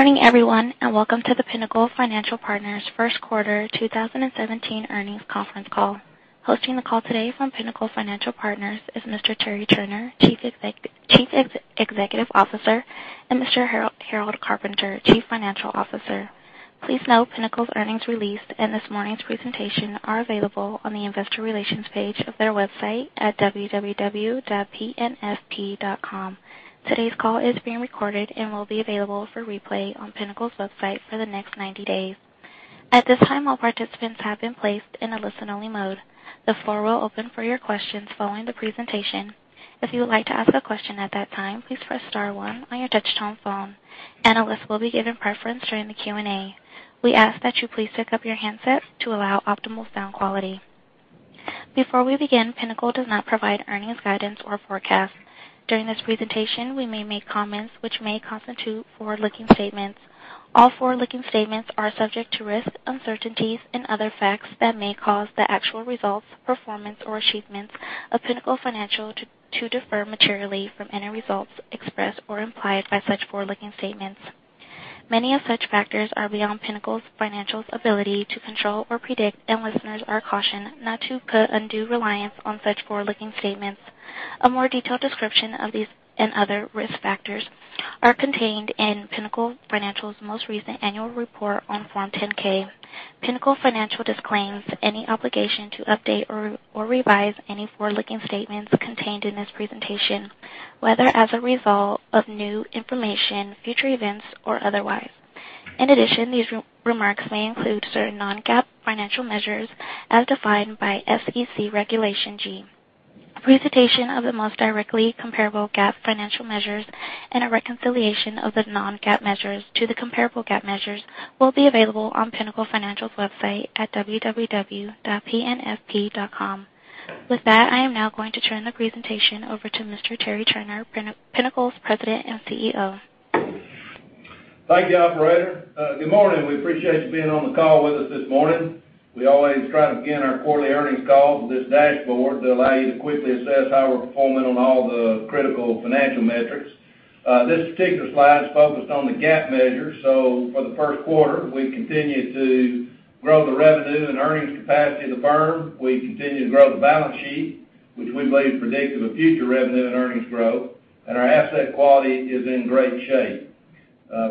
Morning, everyone. Welcome to the Pinnacle Financial Partners first quarter 2017 earnings conference call. Hosting the call today from Pinnacle Financial Partners is Mr. Terry Turner, Chief Executive Officer, and Mr. Harold Carpenter, Chief Financial Officer. Please note Pinnacle's earnings release and this morning's presentation are available on the investor relations page of their website at www.pnfp.com. Today's call is being recorded and will be available for replay on Pinnacle's website for the next 90 days. At this time, all participants have been placed in a listen-only mode. The floor will open for your questions following the presentation. If you would like to ask a question at that time, please press star one on your touch-tone phone. Analysts will be given preference during the Q&A. We ask that you please pick up your handsets to allow optimal sound quality. Before we begin, Pinnacle does not provide earnings guidance or forecasts. During this presentation, we may make comments which may constitute forward-looking statements. All forward-looking statements are subject to risks, uncertainties, and other facts that may cause the actual results, performance, or achievements of Pinnacle Financial to differ materially from any results expressed or implied by such forward-looking statements. Many of such factors are beyond Pinnacle Financial's ability to control or predict, and listeners are cautioned not to put undue reliance on such forward-looking statements. A more detailed description of these and other risk factors are contained in Pinnacle Financial's most recent annual report on Form 10-K. Pinnacle Financial disclaims any obligation to update or revise any forward-looking statements contained in this presentation, whether as a result of new information, future events, or otherwise. In addition, these remarks may include certain non-GAAP financial measures as defined by SEC Regulation G. A presentation of the most directly comparable GAAP financial measures and a reconciliation of the non-GAAP measures to the comparable GAAP measures will be available on Pinnacle Financial's website at www.pnfp.com. With that, I am now going to turn the presentation over to Mr. Terry Turner, Pinnacle's President and CEO. Thank you, operator. Good morning. We appreciate you being on the call with us this morning. We always try to begin our quarterly earnings call with this dashboard to allow you to quickly assess how we're performing on all the critical financial metrics. This particular slide is focused on the GAAP measures. For the first quarter, we continued to grow the revenue and earnings capacity of the firm. We continued to grow the balance sheet, which we believe predictive of future revenue and earnings growth, and our asset quality is in great shape.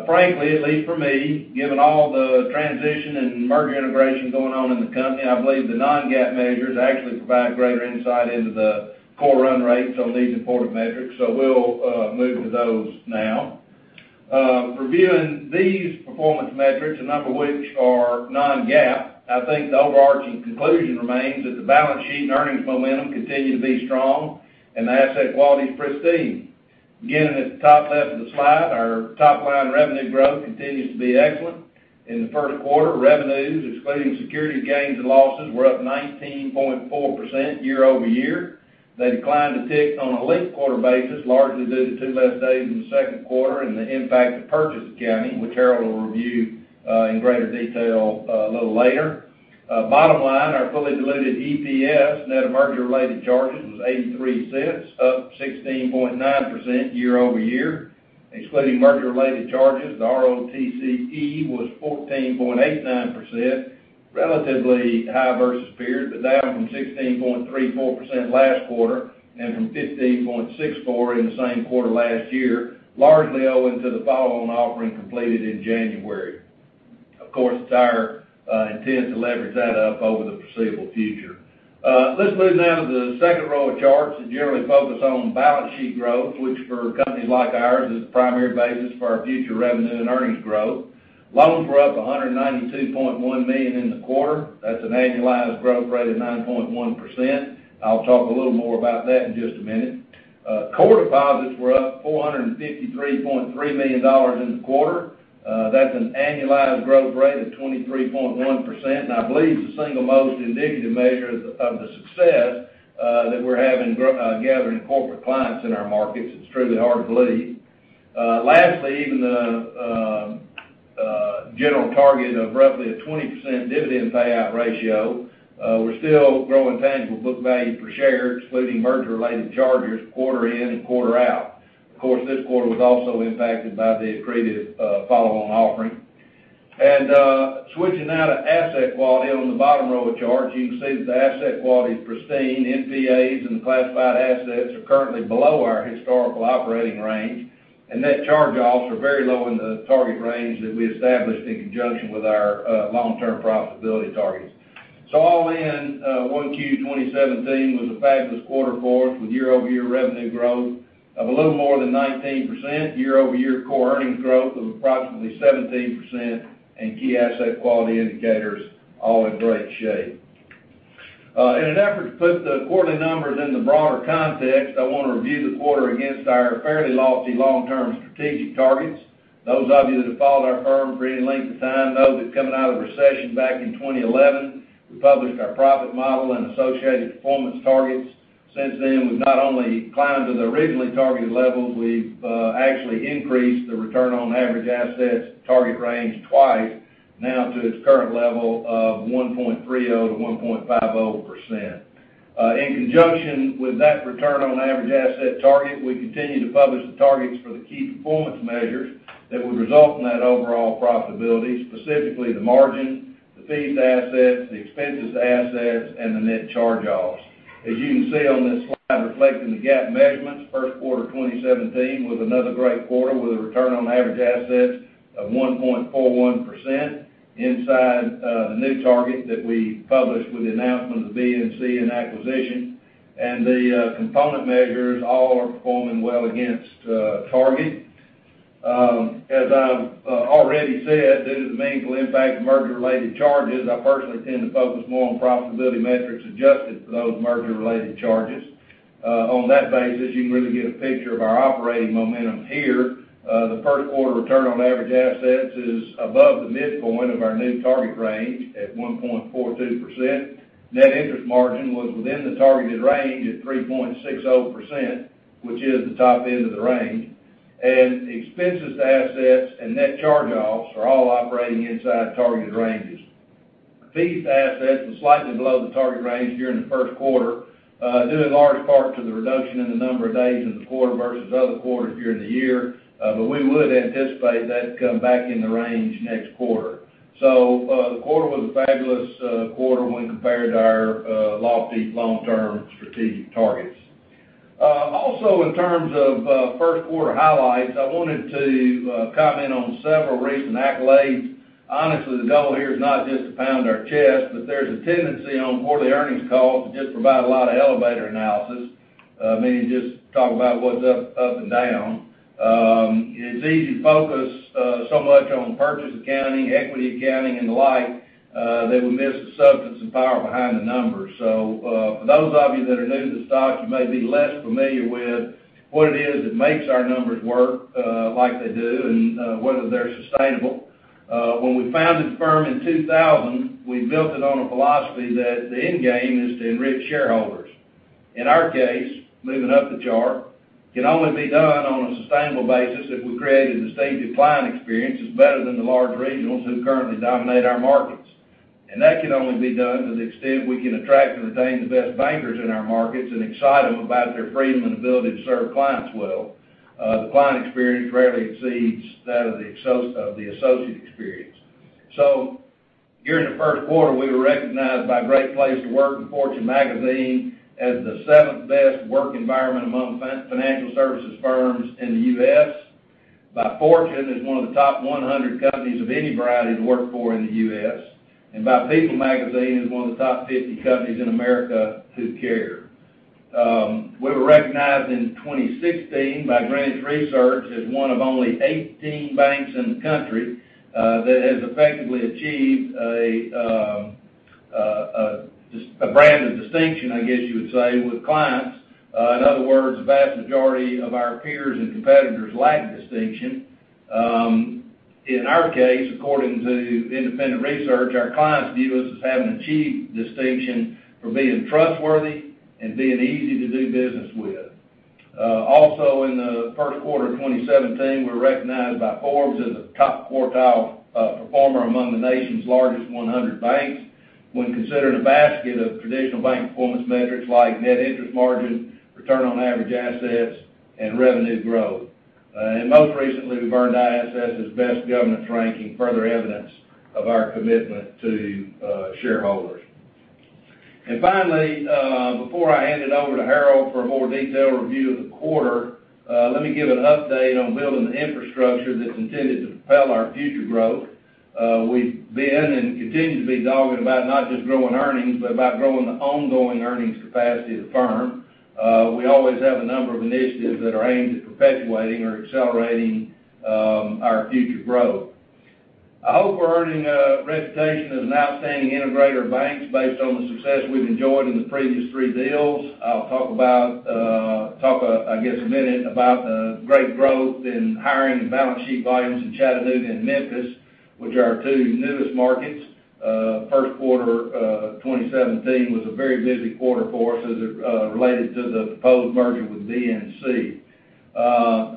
Frankly, at least for me, given all the transition and merger integration going on in the company, I believe the non-GAAP measures actually provide greater insight into the core run rates on these important metrics. We'll move to those now. Reviewing these performance metrics, a number of which are non-GAAP, I think the overarching conclusion remains that the balance sheet and earnings momentum continue to be strong and the asset quality is pristine. Beginning at the top left of the slide, our top-line revenue growth continues to be excellent. In the first quarter, revenues, excluding security gains and losses, were up 19.4% year-over-year. They declined a tick on a linked-quarter basis, largely due to two less days in the second quarter and the impact of purchase accounting, which Harold will review in greater detail a little later. Bottom line, our fully diluted EPS net of merger-related charges was $0.83, up 16.9% year-over-year. Excluding merger-related charges, the ROTCE was 14.89%, relatively high versus period, but down from 16.34% last quarter and from 15.64% in the same quarter last year, largely owing to the follow-on offering completed in January. Of course, it's our intent to leverage that up over the foreseeable future. Let's move now to the second row of charts that generally focus on balance sheet growth, which for companies like ours is the primary basis for our future revenue and earnings growth. Loans were up $192.1 million in the quarter. That's an annualized growth rate of 9.1%. I'll talk a little more about that in just a minute. Core deposits were up $453.3 million in the quarter. That's an annualized growth rate of 23.1% and I believe the single most indicative measure of the success that we're having gathering corporate clients in our markets. It's truly hard to believe. Lastly, even the general target of roughly a 20% dividend payout ratio, we're still growing tangible book value per share, excluding merger-related charges quarter in and quarter out. Of course, this quarter was also impacted by the accretive follow-on offering. Switching now to asset quality on the bottom row of charts, you can see that the asset quality is pristine. NPAs and classified assets are currently below our historical operating range, and net charge-offs are very low in the target range that we established in conjunction with our long-term profitability targets. All in, 1Q 2017 was a fabulous quarter for us, with year-over-year revenue growth of a little more than 19%, year-over-year core earnings growth of approximately 17%, and key asset quality indicators all in great shape. In an effort to put the quarterly numbers into broader context, I want to review the quarter against our fairly lofty long-term strategic targets. Those of you that have followed our firm for any length of time know that coming out of the recession back in 2011, we published our profit model and associated performance targets. Since then, we've not only climbed to the originally targeted levels, we've actually increased the return on average assets target range twice now to its current level of 1.30%-1.50%. In conjunction with that return on average asset target, we continue to publish the targets for the key performance measures that would result in that overall profitability, specifically the margin, the fees to assets, the expenses to assets, and the net charge-offs. As you can see on this slide reflecting the GAAP measurements first quarter 2017 was another great quarter with a return on average assets of 1.41% inside the new target that we published with the announcement of the BNC and acquisition, and the component measures all are performing well against target. As I've already said, due to the meaningful impact of merger-related charges, I personally tend to focus more on profitability metrics adjusted for those merger-related charges. On that basis, you can really get a picture of our operating momentum here. The first quarter return on average assets is above the midpoint of our new target range at 1.42%. Net interest margin was within the targeted range at 3.60%, which is the top end of the range, and expenses to assets and net charge-offs are all operating inside targeted ranges. Fees to assets was slightly below the target range during the first quarter, due in large part to the reduction in the number of days in the quarter versus other quarters during the year. We would anticipate that to come back in the range next quarter. The quarter was a fabulous quarter when compared to our lofty long-term strategic targets. Also, in terms of first quarter highlights, I wanted to comment on several recent accolades. Honestly, the goal here is not just to pound our chest, but there's a tendency on quarterly earnings calls to just provide a lot of elevator analysis, meaning just talk about what's up and down. It's easy to focus so much on purchase accounting, equity accounting, and the like, that we miss the substance and power behind the numbers. For those of you that are new to the stock, you may be less familiar with what it is that makes our numbers work like they do and whether they're sustainable. When we founded the firm in 2000, we built it on a philosophy that the end game is to enrich shareholders. In our case, moving up the chart can only be done on a sustainable basis if we created a stage of client experience that's better than the large regionals who currently dominate our markets. That can only be done to the extent we can attract and retain the best bankers in our markets and excite them about their freedom and ability to serve clients well. The client experience rarely exceeds that of the associate experience. So during the first quarter, we were recognized by Great Place to Work in Fortune magazine as the seventh best work environment among financial services firms in the US, by Fortune as one of the top 100 companies of any variety to work for in the US, and by People magazine as one of the top 50 companies in America that care. We were recognized in 2016 by Greenwich Research as one of only 18 banks in the country that has effectively achieved a brand of distinction, I guess you would say, with clients. In other words, the vast majority of our peers and competitors lack distinction. In our case, according to independent research, our clients view us as having achieved distinction for being trustworthy and being easy to do business with. In the first quarter of 2017, we were recognized by Forbes as a top quartile performer among the nation's largest 100 banks when considered a basket of traditional bank performance metrics like net interest margin, return on average assets, and revenue growth. Most recently, we've earned ISS's best governance ranking, further evidence of our commitment to shareholders. Finally, before I hand it over to Harold for a more detailed review of the quarter, let me give an update on building the infrastructure that's intended to propel our future growth. We've been and continue to be dogged about not just growing earnings, but about growing the ongoing earnings capacity of the firm. We always have a number of initiatives that are aimed at perpetuating or accelerating our future growth. I hope we're earning a reputation as an outstanding integrator of banks based on the success we've enjoyed in the previous three deals. I'll talk, I guess, a minute about the great growth in hiring and balance sheet volumes in Chattanooga and Memphis, which are our two newest markets. First quarter of 2017 was a very busy quarter for us as it related to the proposed merger with BNC.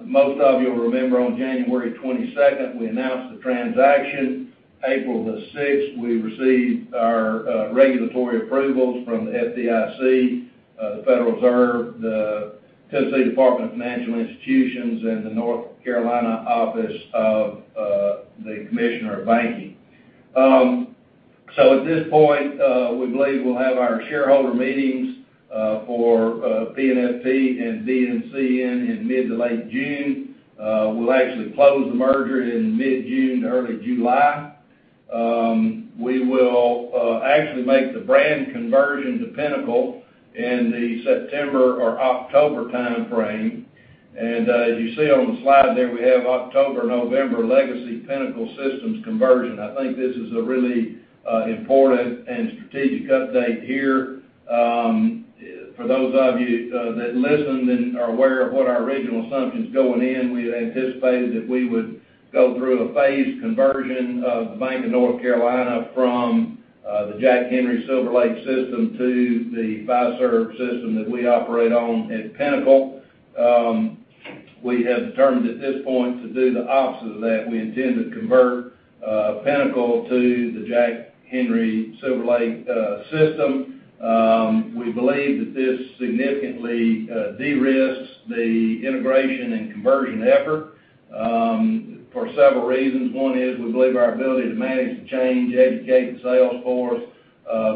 Most of you will remember on January 22nd, we announced the transaction. April the 6th, we received our regulatory approvals from the FDIC, the Federal Reserve, the Tennessee Department of Financial Institutions, and the North Carolina Office of the Commissioner of Banks. At this point, we believe we'll have our shareholder meetings for PNFP and BNC in mid to late June. We'll actually close the merger in mid-June to early July. We will actually make the brand conversion to Pinnacle in the September or October timeframe. As you see on the slide there, we have October, November legacy Pinnacle systems conversion. I think this is a really important and strategic update here. For those of you that listened and are aware of what our original assumptions going in, we had anticipated that we would go through a phased conversion of the Bank of North Carolina from the Jack Henry SilverLake system to the Fiserv system that we operate on at Pinnacle. We have determined at this point to do the opposite of that. We intend to convert Pinnacle to the Jack Henry SilverLake system. We believe that this significantly de-risks the integration and conversion effort for several reasons. One is we believe our ability to manage the change, educate the sales force,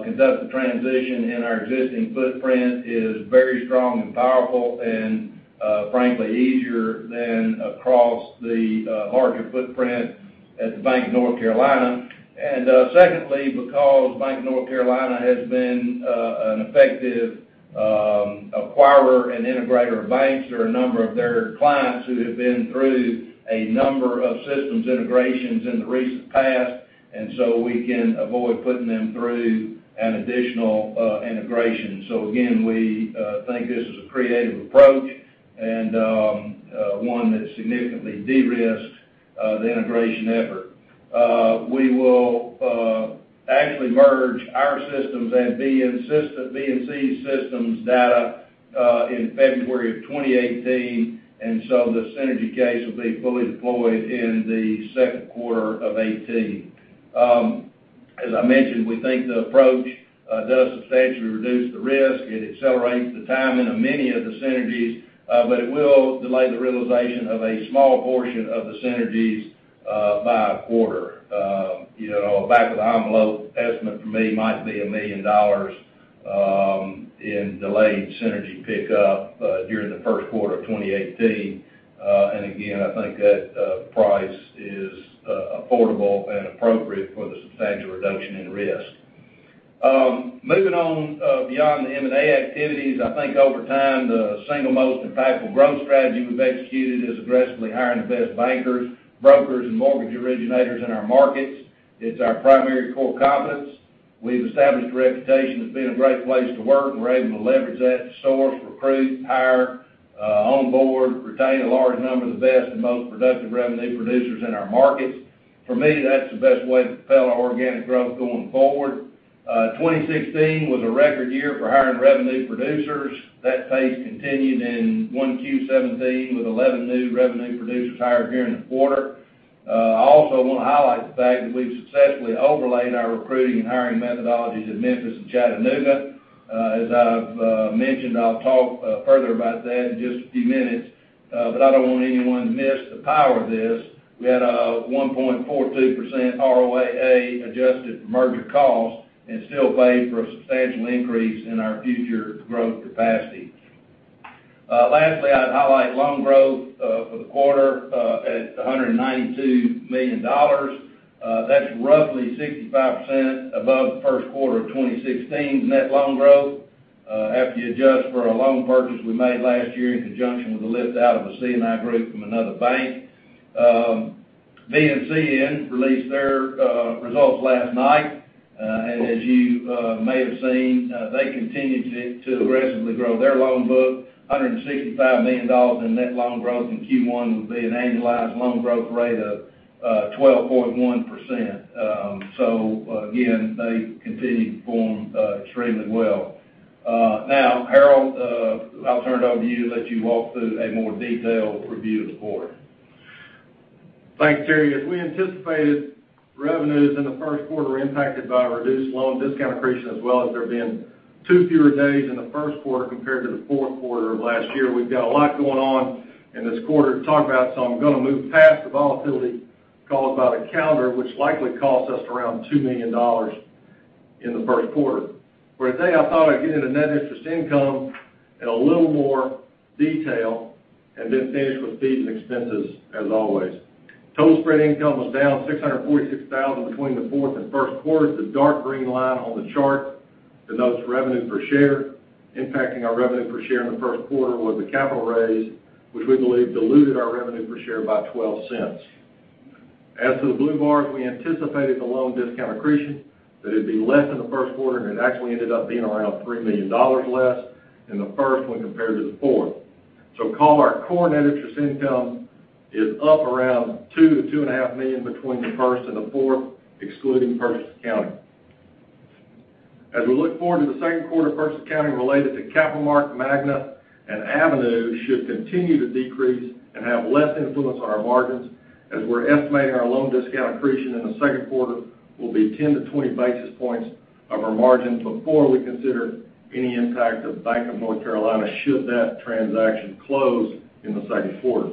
conduct the transition in our existing footprint is very strong and powerful, and frankly, easier than across the larger footprint at the Bank of North Carolina. Secondly, because Bank of North Carolina has been an effective acquirer and integrator of banks, there are a number of their clients who have been through a number of systems integrations in the recent past, and so we can avoid putting them through an additional integration. Again, we think this is a creative approach and one that significantly de-risks the integration effort. We will actually merge our systems and BNC's systems data in February of 2018, and so the synergy gains will be fully deployed in the second quarter of 2018. As I mentioned, we think the approach does substantially reduce the risk. It accelerates the timing of many of the synergies, but it will delay the realization of a small portion of the synergies by a quarter. Back of the envelope estimate for me might be $1 million in delayed synergy pickup during the first quarter of 2018. Again, I think that price is affordable and appropriate for the substantial reduction in risk. Moving on beyond the M&A activities, I think over time, the single most impactful growth strategy we've executed is aggressively hiring the best bankers, brokers, and mortgage originators in our markets. It's our primary core competence. We've established a reputation as being a Great Place to Work, and we're able to leverage that to source, recruit, hire, onboard, retain a large number of the best and most productive revenue producers in our markets. For me, that's the best way to propel our organic growth going forward. 2016 was a record year for hiring revenue producers. That pace continued in 1Q17 with 11 new revenue producers hired during the quarter. I also want to highlight the fact that we've successfully overlaid our recruiting and hiring methodologies at Memphis and Chattanooga. As I've mentioned, I'll talk further about that in just a few minutes, I don't want anyone to miss the power of this. We had a 1.42% ROAA adjusted for merger costs and still paid for a substantial increase in our future growth capacity. Lastly, I'd highlight loan growth for the quarter at $192 million. That's roughly 65% above the first quarter of 2016 net loan growth after you adjust for a loan purchase we made last year in conjunction with a lift-out of the C&I group from another bank. BNCN released their results last night, as you may have seen, they continued to aggressively grow their loan book. $165 million in net loan growth in Q1, with an annualized loan growth rate of 12.1%. Again, they continue to perform extremely well. Now, Harold, I'll turn it over to you to let you walk through a more detailed review of the quarter. Thanks, Terry. As we anticipated, revenues in the first quarter were impacted by reduced loan discount accretion, as well as there being two fewer days in the first quarter compared to the fourth quarter of last year. We've got a lot going on in this quarter to talk about, I'm going to move past the volatility caused by the calendar, which likely cost us around $2 million in the first quarter. For today, I thought I'd get into net interest income in a little more detail finish with fees and expenses as always. Total spread income was down $646,000 between the fourth and first quarters. The dark green line on the chart denotes revenue per share. Impacting our revenue per share in the first quarter was the capital raise, which we believe diluted our revenue per share by $0.12. As to the blue bars, we anticipated the loan discount accretion, that it'd be less in the first quarter, and it actually ended up being around $3 million less in the first when compared to the fourth. Call our core net interest income is up around $2 million-$2.5 million between the first and the fourth, excluding purchase accounting. As we look forward to the second quarter, purchase accounting related to CapitalMark, Magna, and Avenue should continue to decrease and have less influence on our margins as we're estimating our loan discount accretion in the second quarter will be 10 to 20 basis points of our margin before we consider any impact of Bank of North Carolina should that transaction close in the second quarter.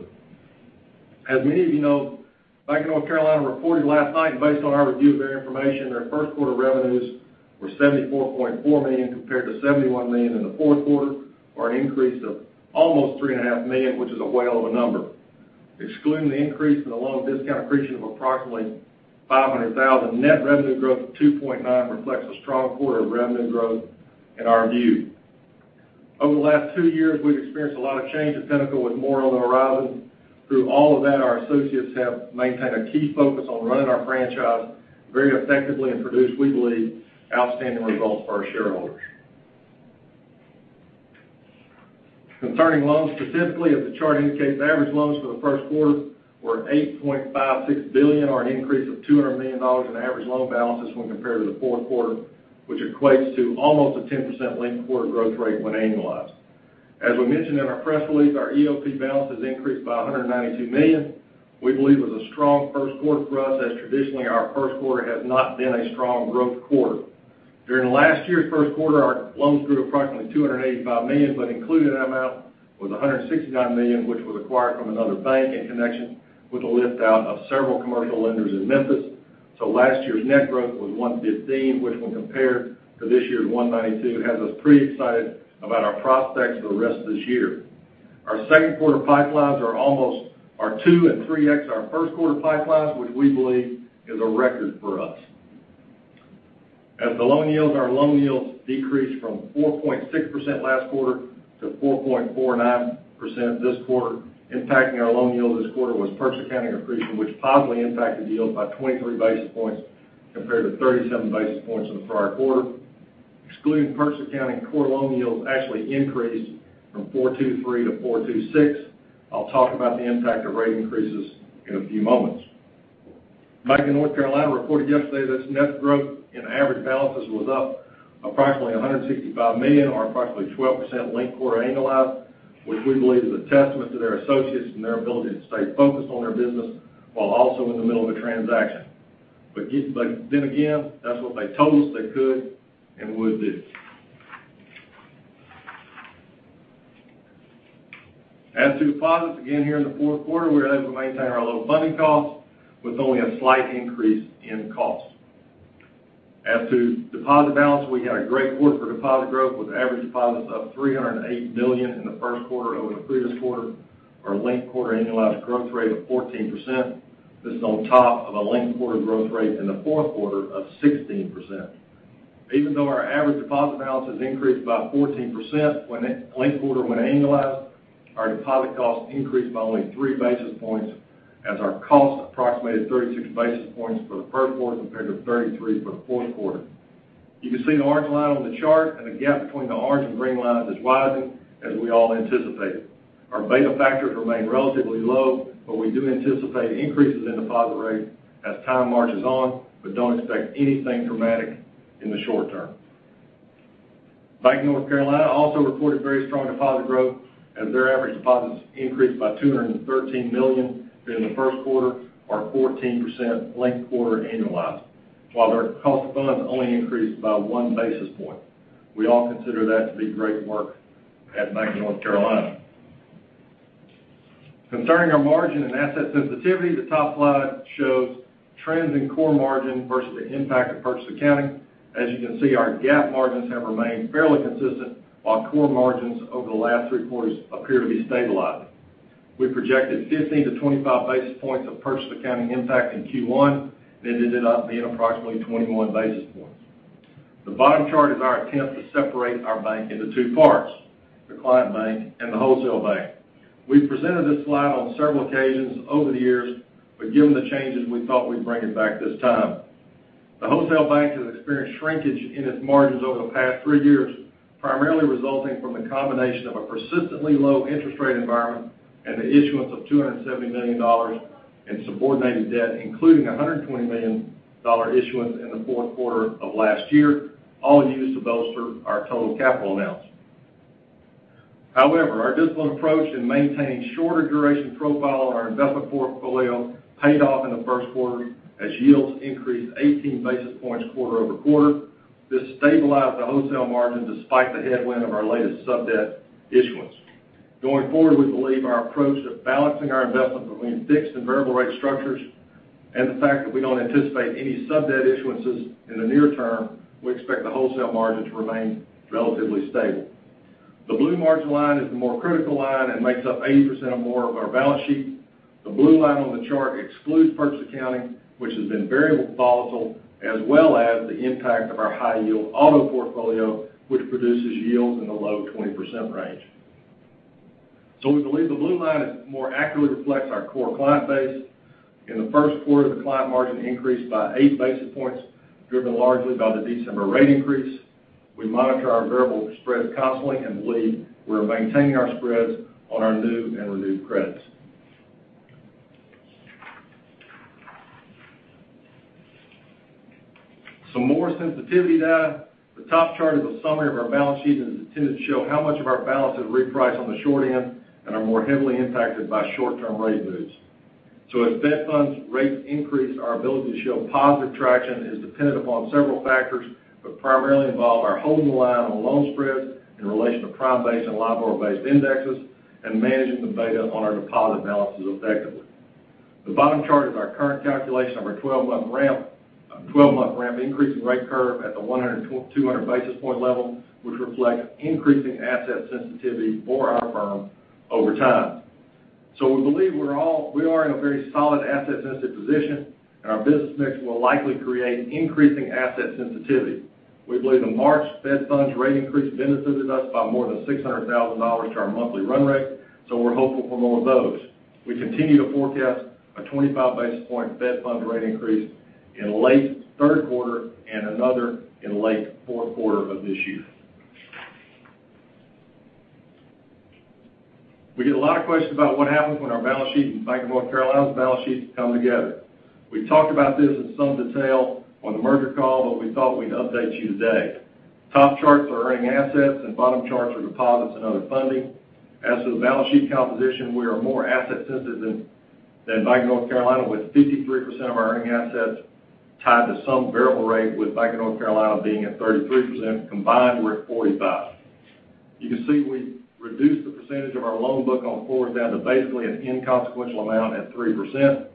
As many of you know, Bank of North Carolina reported last night based on our review of their information, their first quarter revenues were $74.4 million compared to $71 million in the fourth quarter, or an increase of almost $3.5 million, which is a whale of a number. Excluding the increase in the loan discount accretion of approximately $500,000, net revenue growth of 2.9% reflects a strong quarter of revenue growth in our view. Over the last two years, we've experienced a lot of change at Pinnacle, with more on the horizon. Through all of that, our associates have maintained a key focus on running our franchise very effectively and produced, we believe, outstanding results for our shareholders. Concerning loans specifically, as the chart indicates, average loans for the first quarter were at $8.56 billion, or an increase of $200 million in average loan balances when compared to the fourth quarter. Which equates to almost a 10% linked quarter growth rate when annualized. As we mentioned in our press release, our EOP balance has increased by $192 million. We believe it was a strong first quarter for us, as traditionally our first quarter has not been a strong growth quarter. During last year's first quarter, our loans grew approximately $285 million, but included in that amount was $169 million, which was acquired from another bank in connection with the lift-out of several commercial lenders in Memphis. Last year's net growth was $115 million, which when compared to this year's $192 million, has us pretty excited about our prospects for the rest of this year. Our second quarter pipelines are 2x and 3x our first quarter pipelines, which we believe is a record for us. As to loan yields, our loan yields decreased from 4.6% last quarter to 4.49% this quarter. Impacting our loan yield this quarter was purchase accounting accretion, which positively impacted yields by 23 basis points compared to 37 basis points in the prior quarter. Excluding purchase accounting, core loan yields actually increased from 4.23% to 4.26%. I'll talk about the impact of rate increases in a few moments. Bank of North Carolina reported yesterday that its net growth in average balances was up approximately $165 million, or approximately 12% linked quarter annualized, which we believe is a testament to their associates and their ability to stay focused on their business while also in the middle of a transaction. That's what they told us they could and would do. As to deposits, again, here in the fourth quarter, we were able to maintain our low funding costs with only a slight increase in cost. As to deposit balance, we had a great quarter for deposit growth, with average deposits up $308 million in the first quarter over the previous quarter, or linked quarter annualized growth rate of 14%. This is on top of a linked quarter growth rate in the fourth quarter of 16%. Even though our average deposit balance has increased by 14%, linked quarter when annualized, our deposit costs increased by only three basis points, as our cost approximated 36 basis points for the first quarter compared to 33 for the fourth quarter. You can see the orange line on the chart, the gap between the orange and green lines is widening, as we all anticipated. Our beta factors remain relatively low, we do anticipate increases in deposit rates as time marches on, don't expect anything dramatic in the short term. Bank of North Carolina also reported very strong deposit growth, as their average deposits increased by $213 million during the first quarter, or 14% linked quarter annualized, while their cost of funds only increased by one basis point. We all consider that to be great work at Bank of North Carolina. Concerning our margin and asset sensitivity, the top line shows trends in core margin versus the impact of purchase accounting. As you can see, our GAAP margins have remained fairly consistent, while core margins over the last three quarters appear to be stabilizing. We projected 15-25 basis points of purchase accounting impact in Q1. That ended up being approximately 21 basis points. The bottom chart is our attempt to separate our bank into two parts, the client bank and the wholesale bank. We've presented this slide on several occasions over the years, given the changes, we thought we'd bring it back this time. The wholesale bank has experienced shrinkage in its margins over the past three years, primarily resulting from the combination of a persistently low interest rate environment and the issuance of $270 million in subordinated debt, including a $120 million issuance in the fourth quarter of last year, all used to bolster our total capital analysis. However, our disciplined approach in maintaining a shorter duration profile on our investment portfolio paid off in the first quarter as yields increased 18 basis points quarter-over-quarter. This stabilized the wholesale margin despite the headwind of our latest sub-debt issuance. Going forward, we believe our approach of balancing our investments between fixed and variable rate structures the fact that we don't anticipate any sub-debt issuances in the near term, we expect the wholesale margin to remain relatively stable. The blue margin line is the more critical line and makes up 80% or more of our balance sheet. The blue line on the chart excludes purchase accounting, which has been very volatile, as well as the impact of our high-yield auto portfolio, which produces yields in the low 20% range. We believe the blue line more accurately reflects our core client base. In the first quarter, the client margin increased by eight basis points, driven largely by the December rate increase. We monitor our variable spreads constantly and believe we are maintaining our spreads on our new and renewed credits. Some more sensitivity now. The top chart is a summary of our balance sheet and is intended to show how much of our balance is repriced on the short end and are more heavily impacted by short-term rate moves. As Fed funds rates increase, our ability to show positive traction is dependent upon several factors, but primarily involve our holding the line on loan spreads in relation to prime-based and LIBOR-based indexes and managing the beta on our deposit balances effectively. The bottom chart is our current calculation of our 12-month ramp increasing rate curve at the 100, 200 basis point level, which reflects increasing asset sensitivity for our firm over time. We believe we are in a very solid asset sensitive position, and our business mix will likely create increasing asset sensitivity. We believe the March Fed funds rate increase benefited us by more than $600,000 to our monthly run rate, so we're hopeful for more of those. We continue to forecast a 25-basis point Fed fund rate increase in late third quarter and another in late fourth quarter of this year. We get a lot of questions about what happens when our balance sheet and Bank of North Carolina's balance sheets come together. We talked about this in some detail on the merger call, but we thought we'd update you today. Top charts are earning assets and bottom charts are deposits and other funding. As to the balance sheet composition, we are more asset sensitive than Bank of North Carolina, with 53% of our earning assets tied to some variable rate, with Bank of North Carolina being at 33%. Combined, we're at 45. You can see we reduced the percentage of our loan book on floors down to basically an inconsequential amount at 3%.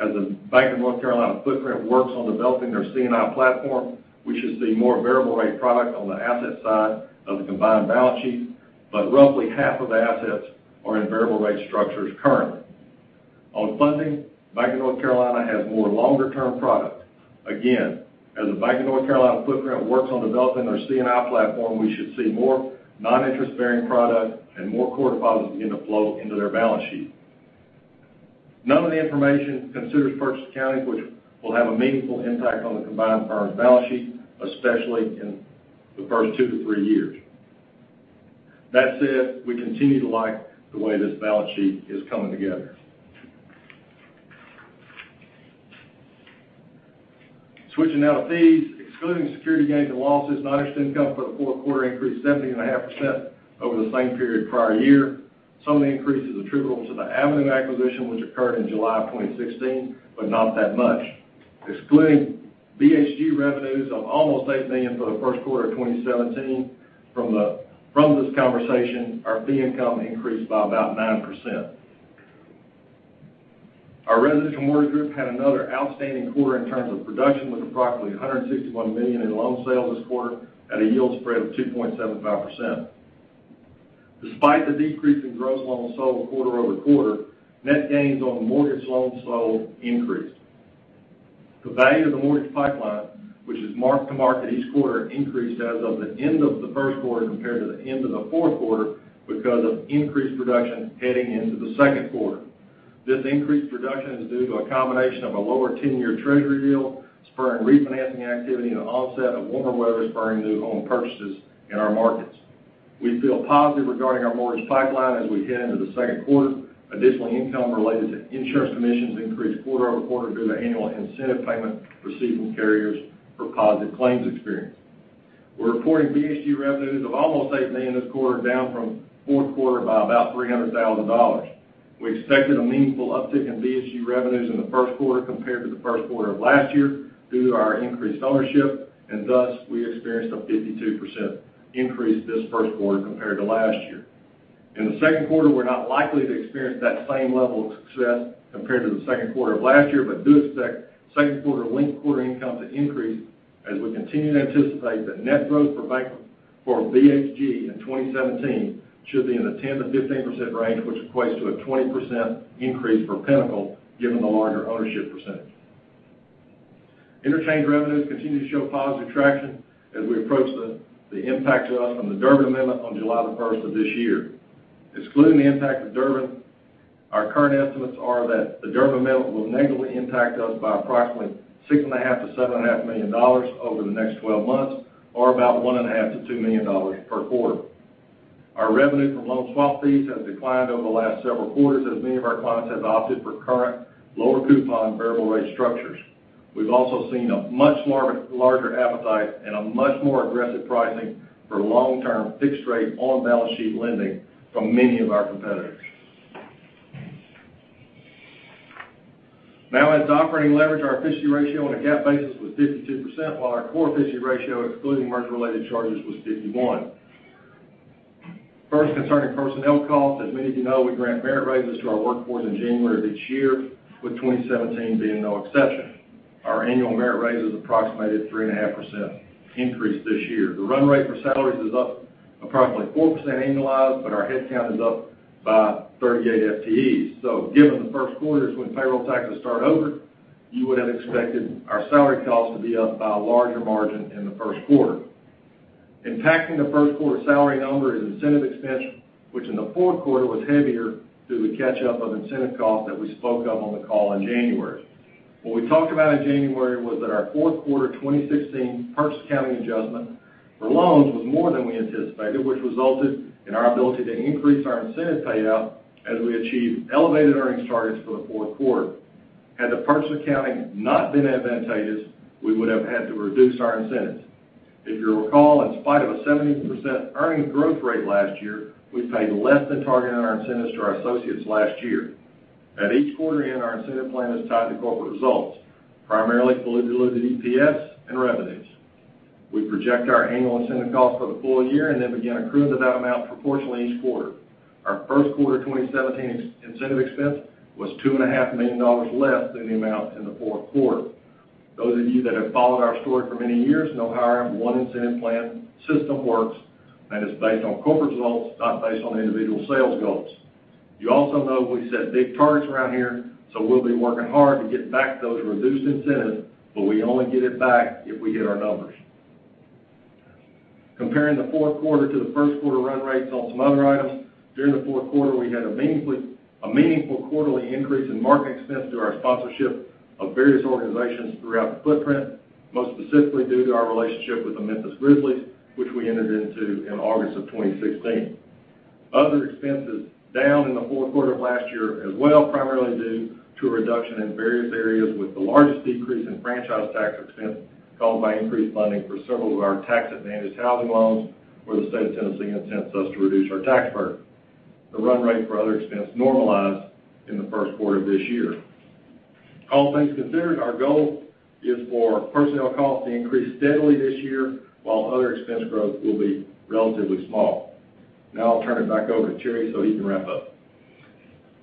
As the Bank of North Carolina footprint works on developing their C&I platform, we should see more variable rate product on the asset side of the combined balance sheet, but roughly half of the assets are in variable rate structures currently. On funding, Bank of North Carolina has more longer term product. Again, as the Bank of North Carolina footprint works on developing their C&I platform, we should see more non-interest bearing product and more core deposits begin to flow into their balance sheet. None of the information considers purchase accounting, which will have a meaningful impact on the combined firm's balance sheet, especially in the first two to three years. That said, we continue to like the way this balance sheet is coming together. Switching now to fees. Excluding security gains and losses, non-interest income for the fourth quarter increased 70.5% over the same period prior year. Some of the increase is attributable to the Avenue acquisition, which occurred in July of 2016, but not that much. Excluding BHG revenues of almost $8 million for the first quarter of 2017 from this conversation, our fee income increased by about 9%. Our residential mortgage group had another outstanding quarter in terms of production, with approximately $161 million in loan sales this quarter at a yield spread of 2.75%. Despite the decrease in gross loans sold quarter-over-quarter, net gains on mortgage loans sold increased. The value of the mortgage pipeline, which is marked to market each quarter, increased as of the end of the first quarter compared to the end of the fourth quarter because of increased production heading into the second quarter. This increased production is due to a combination of a lower 10-year treasury yield spurring refinancing activity and the onset of warmer weather spurring new home purchases in our markets. We feel positive regarding our mortgage pipeline as we head into the second quarter. Additional income related to insurance commissions increased quarter-over-quarter due to annual incentive payment received from carriers for positive claims experience. We're reporting BHG revenues of almost $8 million this quarter, down from fourth quarter by about $300,000. We expected a meaningful uptick in BHG revenues in the first quarter compared to the first quarter of last year due to our increased ownership. Thus we experienced a 52% increase this first quarter compared to last year. In the second quarter, we're not likely to experience that same level of success compared to the second quarter of last year, but do expect second quarter linked quarter income to increase as we continue to anticipate that net growth for BHG in 2017 should be in the 10%-15% range, which equates to a 20% increase for Pinnacle given the larger ownership percentage. Interchange revenues continue to show positive traction as we approach the impact to us from the Durbin Amendment on July the 1st of this year. Excluding the impact of Durbin, our current estimates are that the Durbin Amendment will negatively impact us by approximately $6.5 million-$7.5 million over the next 12 months, or about $1.5 million-$2 million per quarter. Our revenue from loan swap fees has declined over the last several quarters as many of our clients have opted for current lower coupon variable rate structures. We've also seen a much larger appetite and a much more aggressive pricing for long-term fixed rate on balance sheet lending from many of our competitors. As to operating leverage, our efficiency ratio on a GAAP basis was 52%, while our core efficiency ratio, excluding merger related charges, was 51%. First, concerning personnel costs, as many of you know, we grant merit raises to our workforce in January of each year, with 2017 being no exception. Our annual merit raise is approximated at 3.5% increase this year. The run rate for salaries is up approximately 4% annualized, but our headcount is up by 38 FTEs. Given the first quarter is when payroll taxes start over, you would have expected our salary costs to be up by a larger margin in the first quarter. Impacting the first quarter salary number is incentive expense, which in the fourth quarter was heavier due to the catch up of incentive costs that we spoke of on the call in January. What we talked about in January was that our fourth quarter 2016 purchase accounting adjustment for loans was more than we anticipated, which resulted in our ability to increase our incentive payout as we achieved elevated earnings targets for the fourth quarter. Had the purchase accounting not been advantageous, we would have had to reduce our incentives. If you'll recall, in spite of a 17% earnings growth rate last year, we paid less than targeted on our incentives to our associates last year. At each quarter end, our incentive plan is tied to corporate results, primarily fully diluted EPS and revenues. We project our annual incentive cost for the full year and then begin accruing to that amount proportionally each quarter. Our first quarter 2017 incentive expense was $2.5 million less than the amount in the fourth quarter. Those of you that have followed our story for many years know how our one incentive plan system works, it's based on corporate results, not based on individual sales goals. You also know we set big targets around here, we'll be working hard to get back those reduced incentives, but we only get it back if we hit our numbers. Comparing the fourth quarter to the first quarter run rates on some other items, during the fourth quarter, we had a meaningful quarterly increase in marketing expense through our sponsorship of various organizations throughout the footprint, most specifically due to our relationship with the Memphis Grizzlies, which we entered into in August of 2016. Other expenses down in the fourth quarter of last year as well, primarily due to a reduction in various areas with the largest decrease in franchise tax expense called by increased funding for several of our tax advantage housing loans where the state of Tennessee attempts us to reduce our tax burden. The run rate for other expense normalized in the first quarter of this year. All things considered, our goal is for personnel costs to increase steadily this year, while other expense growth will be relatively small. I'll turn it back over to Terry he can wrap up.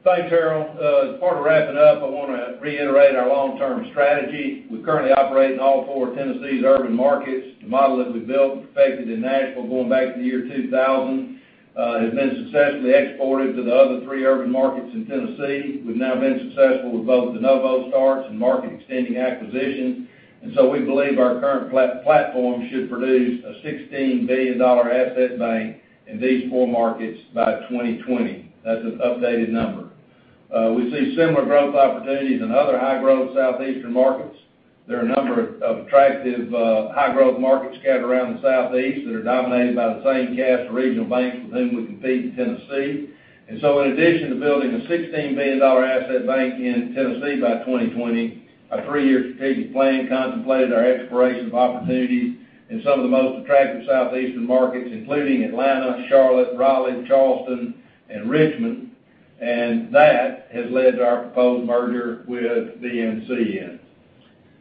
Thanks, Harold. As part of wrapping up, I want to reiterate our long-term strategy. We currently operate in all four of Tennessee's urban markets. The model that we built and perfected in Nashville going back to the year 2000, has been successfully exported to the other three urban markets in Tennessee. We've now been successful with both de novo starts and market-extending acquisitions, we believe our current platform should produce a $16 billion asset bank in these four markets by 2020. That's an updated number. We see similar growth opportunities in other high-growth Southeastern markets. There are a number of attractive, high-growth markets scattered around the Southeast that are dominated by the same cast of regional banks with whom we compete in Tennessee. In addition to building a $16 billion asset bank in Tennessee by 2020, our three-year strategic plan contemplated our exploration of opportunities in some of the most attractive Southeastern markets, including Atlanta, Charlotte, Raleigh, Charleston and Richmond, and that has led to our proposed merger with BNCN.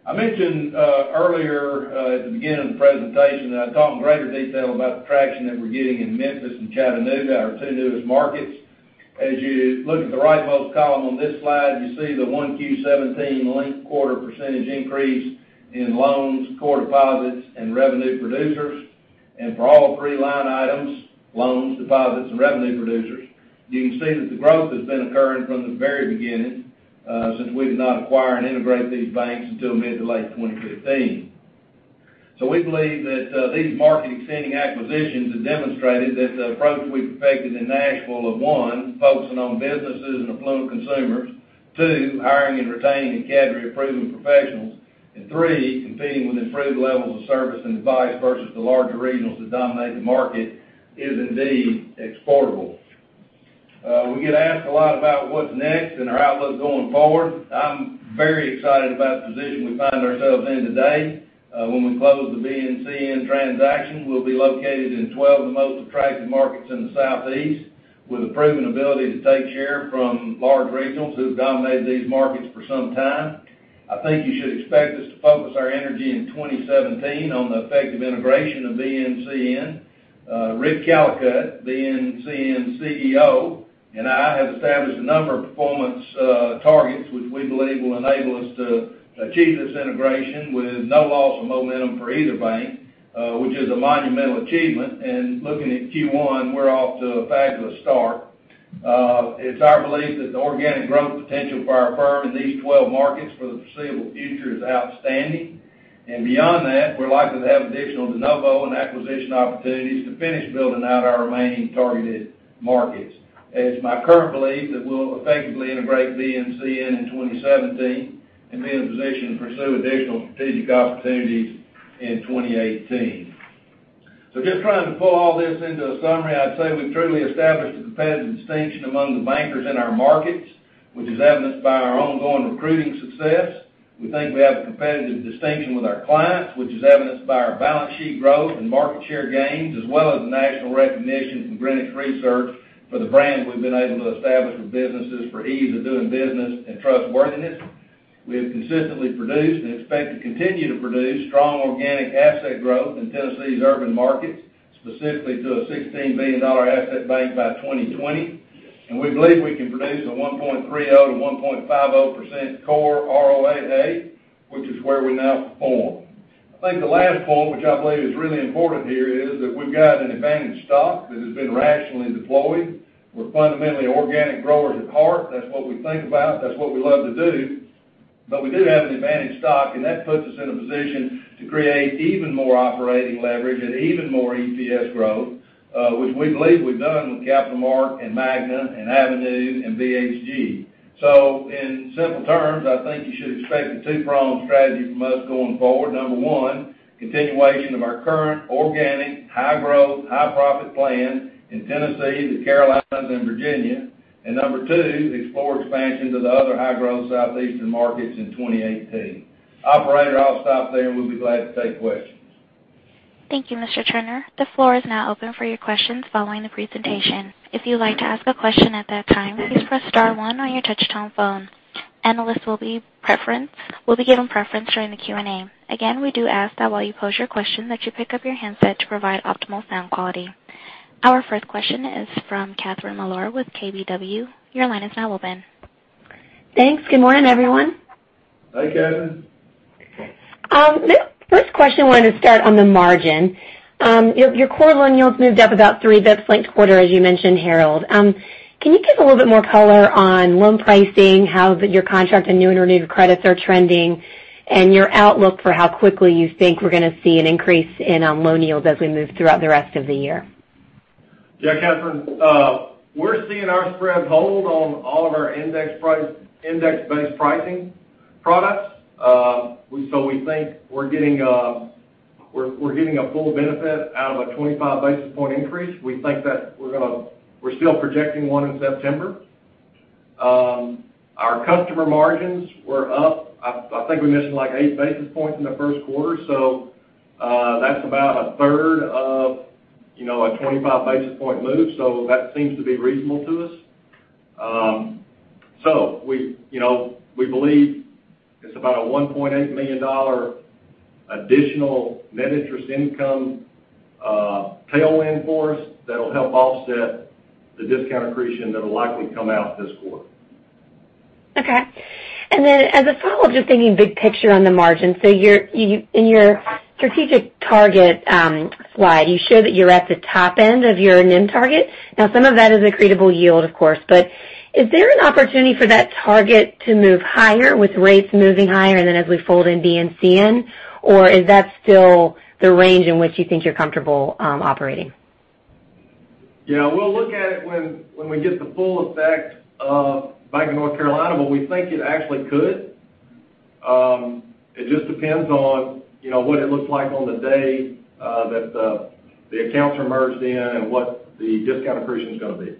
I mentioned earlier, at the beginning of the presentation, that I'd talk in greater detail about the traction that we're getting in Memphis and Chattanooga, our two newest markets. As you look at the rightmost column on this slide, you see the 1Q17 linked quarter percentage increase in loans, core deposits, and revenue producers. For all three line items, loans, deposits, and revenue producers, you can see that the growth has been occurring from the very beginning, since we did not acquire and integrate these banks until mid to late 2015. We believe that these market-extending acquisitions have demonstrated that the approach that we perfected in Nashville of, one, focusing on businesses and affluent consumers, two, hiring and retaining a cadre of proven professionals, and three, competing with improved levels of service and advice versus the larger regionals that dominate the market, is indeed exportable. We get asked a lot about what's next and our outlook going forward. I'm very excited about the position we find ourselves in today. When we close the BNCN transaction, we'll be located in 12 of the most attractive markets in the Southeast with a proven ability to take share from large regionals who have dominated these markets for some time. I think you should expect us to focus our energy in 2017 on the effective integration of BNCN. Rick Callicutt, BNCN CEO, and I have established a number of performance targets which we believe will enable us to achieve this integration with no loss of momentum for either bank, which is a monumental achievement. Looking at Q1, we're off to a fabulous start. It's our belief that the organic growth potential for our firm in these 12 markets for the foreseeable future is outstanding. Beyond that, we're likely to have additional de novo and acquisition opportunities to finish building out our remaining targeted markets. It is my current belief that we'll effectively integrate BNCN in 2017 and be in a position to pursue additional strategic opportunities in 2018. Just trying to pull all this into a summary, I'd say we've truly established a competitive distinction among the bankers in our markets, which is evidenced by our ongoing recruiting success. We think we have a competitive distinction with our clients, which is evidenced by our balance sheet growth and market share gains, as well as the national recognition from Greenwich Associates for the brand we've been able to establish with businesses for ease of doing business and trustworthiness. We have consistently produced and expect to continue to produce strong organic asset growth in Tennessee's urban markets, specifically to a $16 billion asset bank by 2020, and we believe we can produce a 1.30%-1.50% core ROAA, which is where we now perform. I think the last point, which I believe is really important here, is that we've got an advantage stock that has been rationally deployed. We're fundamentally organic growers at heart. That's what we think about. That's what we love to do. We do have an advantage stock, and that puts us in a position to create even more operating leverage and even more EPS growth, which we believe we've done with CapitalMark and Magna and Avenue and BHG. In simple terms, I think you should expect a two-pronged strategy from us going forward. Number one, continuation of our current organic, high-growth, high-profit plan in Tennessee, the Carolinas, and Virginia. Number two, explore expansion to the other high-growth Southeastern markets in 2018. Operator, I'll stop there, and we'll be glad to take questions. Thank you, Mr. Turner. The floor is now open for your questions following the presentation. If you'd like to ask a question at that time, please press star one on your touch-tone phone. Analysts will be given preference during the Q&A. Again, we do ask that while you pose your question, that you pick up your handset to provide optimal sound quality. Our first question is from Catherine Mealor with KBW. Your line is now open. Thanks. Good morning, everyone. Hi, Catherine. First question, wanted to start on the margin. Your quarter loan yields moved up about 3 basis points linked quarter as you mentioned, Harold. Can you give a little bit more color on loan pricing, how your contract and new and renewed credits are trending and your outlook for how quickly you think we're going to see an increase in loan yields as we move throughout the rest of the year? Yeah, Catherine, we're seeing our spreads hold on all of our index-based pricing products We think we're getting a full benefit out of a 25 basis point increase. We think that we're still projecting one in September. Our customer margins were up. I think we missed like 8 basis points in the first quarter, that's about a third of a 25 basis point move, so that seems to be reasonable to us. We believe it's about a $1.8 million additional net interest income tailwind for us that'll help offset the discount accretion that'll likely come out this quarter. Okay. As a follow-up, just thinking big picture on the margin. In your strategic target slide, you show that you're at the top end of your NIM target. Now, some of that is accretable yield, of course, but is there an opportunity for that target to move higher with rates moving higher and then as we fold in BNCN? Or is that still the range in which you think you're comfortable operating? Yeah, we'll look at it when we get the full effect of Bank of North Carolina. We think it actually could. It just depends on what it looks like on the day that the accounts are merged in and what the discount accretion's going to be.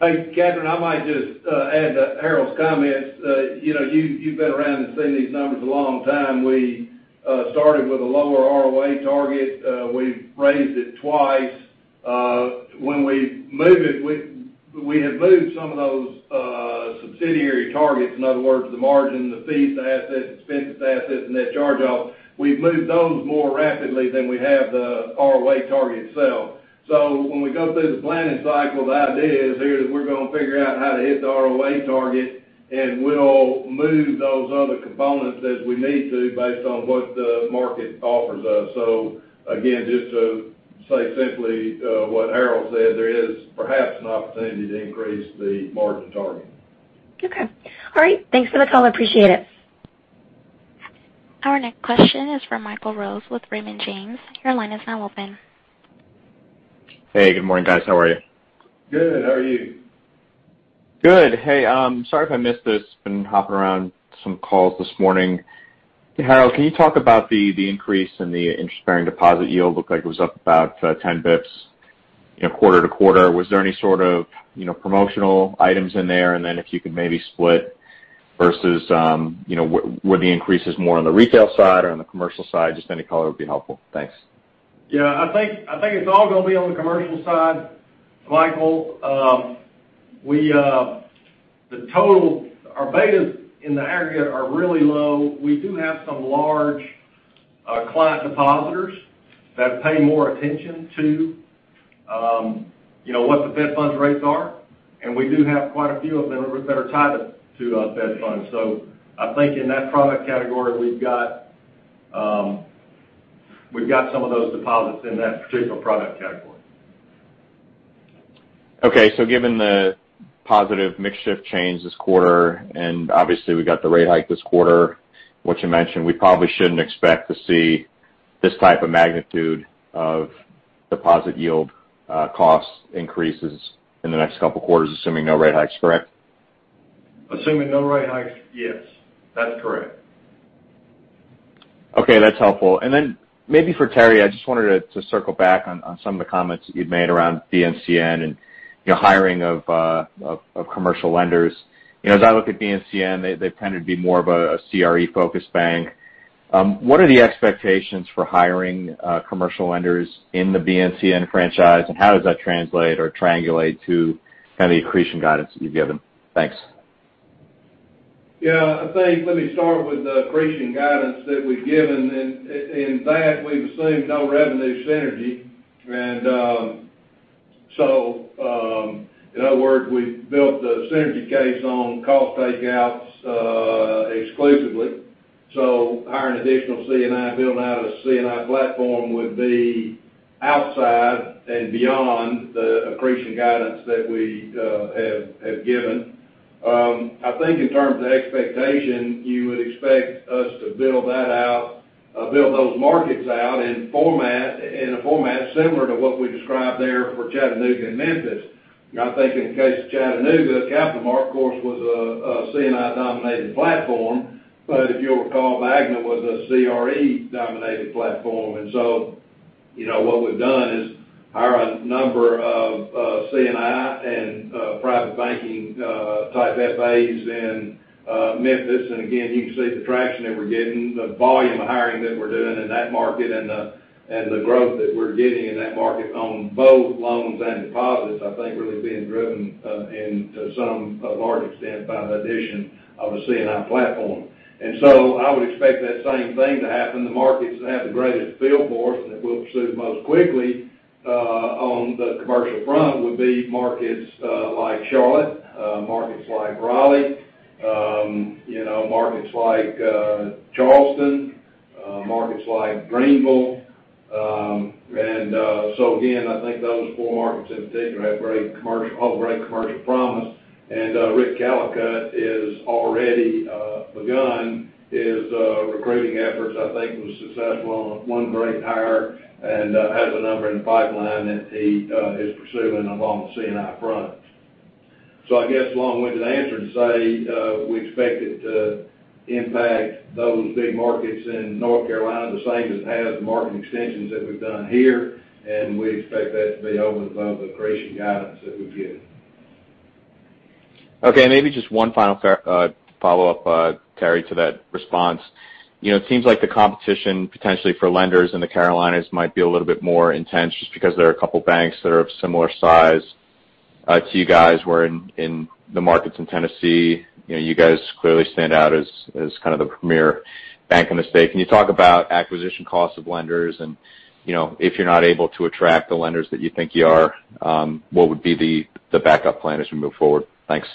Hey, Catherine, I might just add to Harold's comments. You've been around and seen these numbers a long time. We started with a lower ROA target. We've raised it twice. When we move it, we have moved some of those subsidiary targets, in other words, the margin, the fees to assets, expense to assets, and net charge-offs. We've moved those more rapidly than we have the ROA target itself. When we go through the planning cycle, the idea is here that we're going to figure out how to hit the ROA target, and we'll move those other components as we need to based on what the market offers us. Again, just to say simply what Harold said, there is perhaps an opportunity to increase the margin target. Okay. All right. Thanks for the call. I appreciate it. Our next question is from Michael Rose with Raymond James. Your line is now open. Hey, good morning, guys. How are you? Good. How are you? Good. Hey, sorry if I missed this, been hopping around some calls this morning. Hey, Harold, can you talk about the increase in the interest-bearing deposit yield? Looked like it was up about 10 basis points quarter to quarter. Was there any sort of promotional items in there? Then if you could maybe split versus were the increases more on the retail side or on the commercial side? Just any color would be helpful. Thanks. Yeah, I think it's all going to be on the commercial side, Michael. Our betas in the aggregate are really low. We do have some large client depositors that pay more attention to what the Fed funds rates are, and we do have quite a few of them that are tied to Fed funds. I think in that product category, we've got some of those deposits in that particular product category. Okay, given the positive mix shift change this quarter, and obviously we got the rate hike this quarter, which you mentioned, we probably shouldn't expect to see this type of magnitude of deposit yield cost increases in the next couple of quarters, assuming no rate hikes, correct? Assuming no rate hikes, yes, that's correct. Okay, that's helpful. Maybe for Terry, I just wanted to circle back on some of the comments that you'd made around BNCN and hiring of commercial lenders. As I look at BNCN, they tend to be more of a CRE-focused bank. What are the expectations for hiring commercial lenders in the BNCN franchise, and how does that translate or triangulate to the accretion guidance that you've given? Thanks. Yeah, I think let me start with the accretion guidance that we've given, in that we've assumed no revenue synergy. In other words, we've built the synergy case on cost takeouts exclusively. Hiring additional C&I, building out a C&I platform would be outside and beyond the accretion guidance that we have given. I think in terms of expectation, you would expect us to build those markets out in a format similar to what we described there for Chattanooga and Memphis. I think in the case of Chattanooga, CapitalMark, of course, was a C&I-dominated platform, but if you'll recall, Magna was a CRE-dominated platform. What we've done is hire a number of C&I and private banking type FAs in Memphis. Again, you can see the traction that we're getting, the volume of hiring that we're doing in that market and the growth that we're getting in that market on both loans and deposits, I think really being driven to some large extent by the addition of a C&I platform. I would expect that same thing to happen. The markets that have the greatest feel for us and that we'll pursue most quickly on the commercial front would be markets like Charlotte, markets like Raleigh, markets like Charleston, markets like Greenville. Again, I think those four markets in particular have great commercial promise. Rick Callicutt has already begun his recruiting efforts, I think was successful on one great hire and has a number in the pipeline that he is pursuing along the C&I front. I guess long-winded answer to say, we expect it to impact those big markets in North Carolina the same as it has the market extensions that we've done here, and we expect that to be over and above the accretion guidance that we've given. Maybe just one final follow-up, Terry, to that response. It seems like the competition potentially for lenders in the Carolinas might be a little bit more intense just because there are a couple banks that are of similar size to you guys, where in the markets in Tennessee, you guys clearly stand out as kind of the premier bank in the state. Can you talk about acquisition costs of lenders? If you're not able to attract the lenders that you think you are, what would be the backup plan as we move forward? Thanks.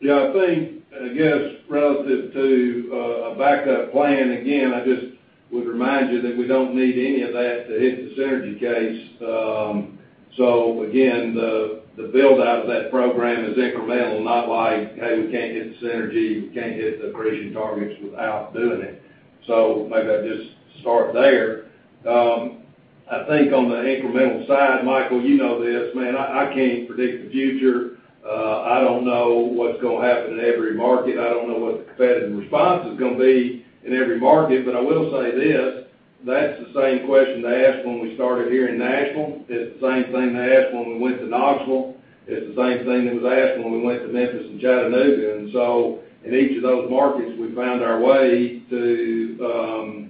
I think, again, relative to a backup plan, again, I just would remind you that we don't need any of that to hit the synergy case. Again, the build-out of that program is incremental, not like, "Hey, we can't get the synergy, we can't hit the accretion targets without doing it." Maybe I'd just start there. I think on the incremental side, Michael, you know this, man, I can't predict the future. I don't know what's going to happen in every market. I don't know what the competitive response is going to be in every market. I will say this, that's the same question they asked when we started here in Nashville. It's the same thing they asked when we went to Knoxville. It's the same thing that was asked when we went to Memphis and Chattanooga. In each of those markets, we found our way to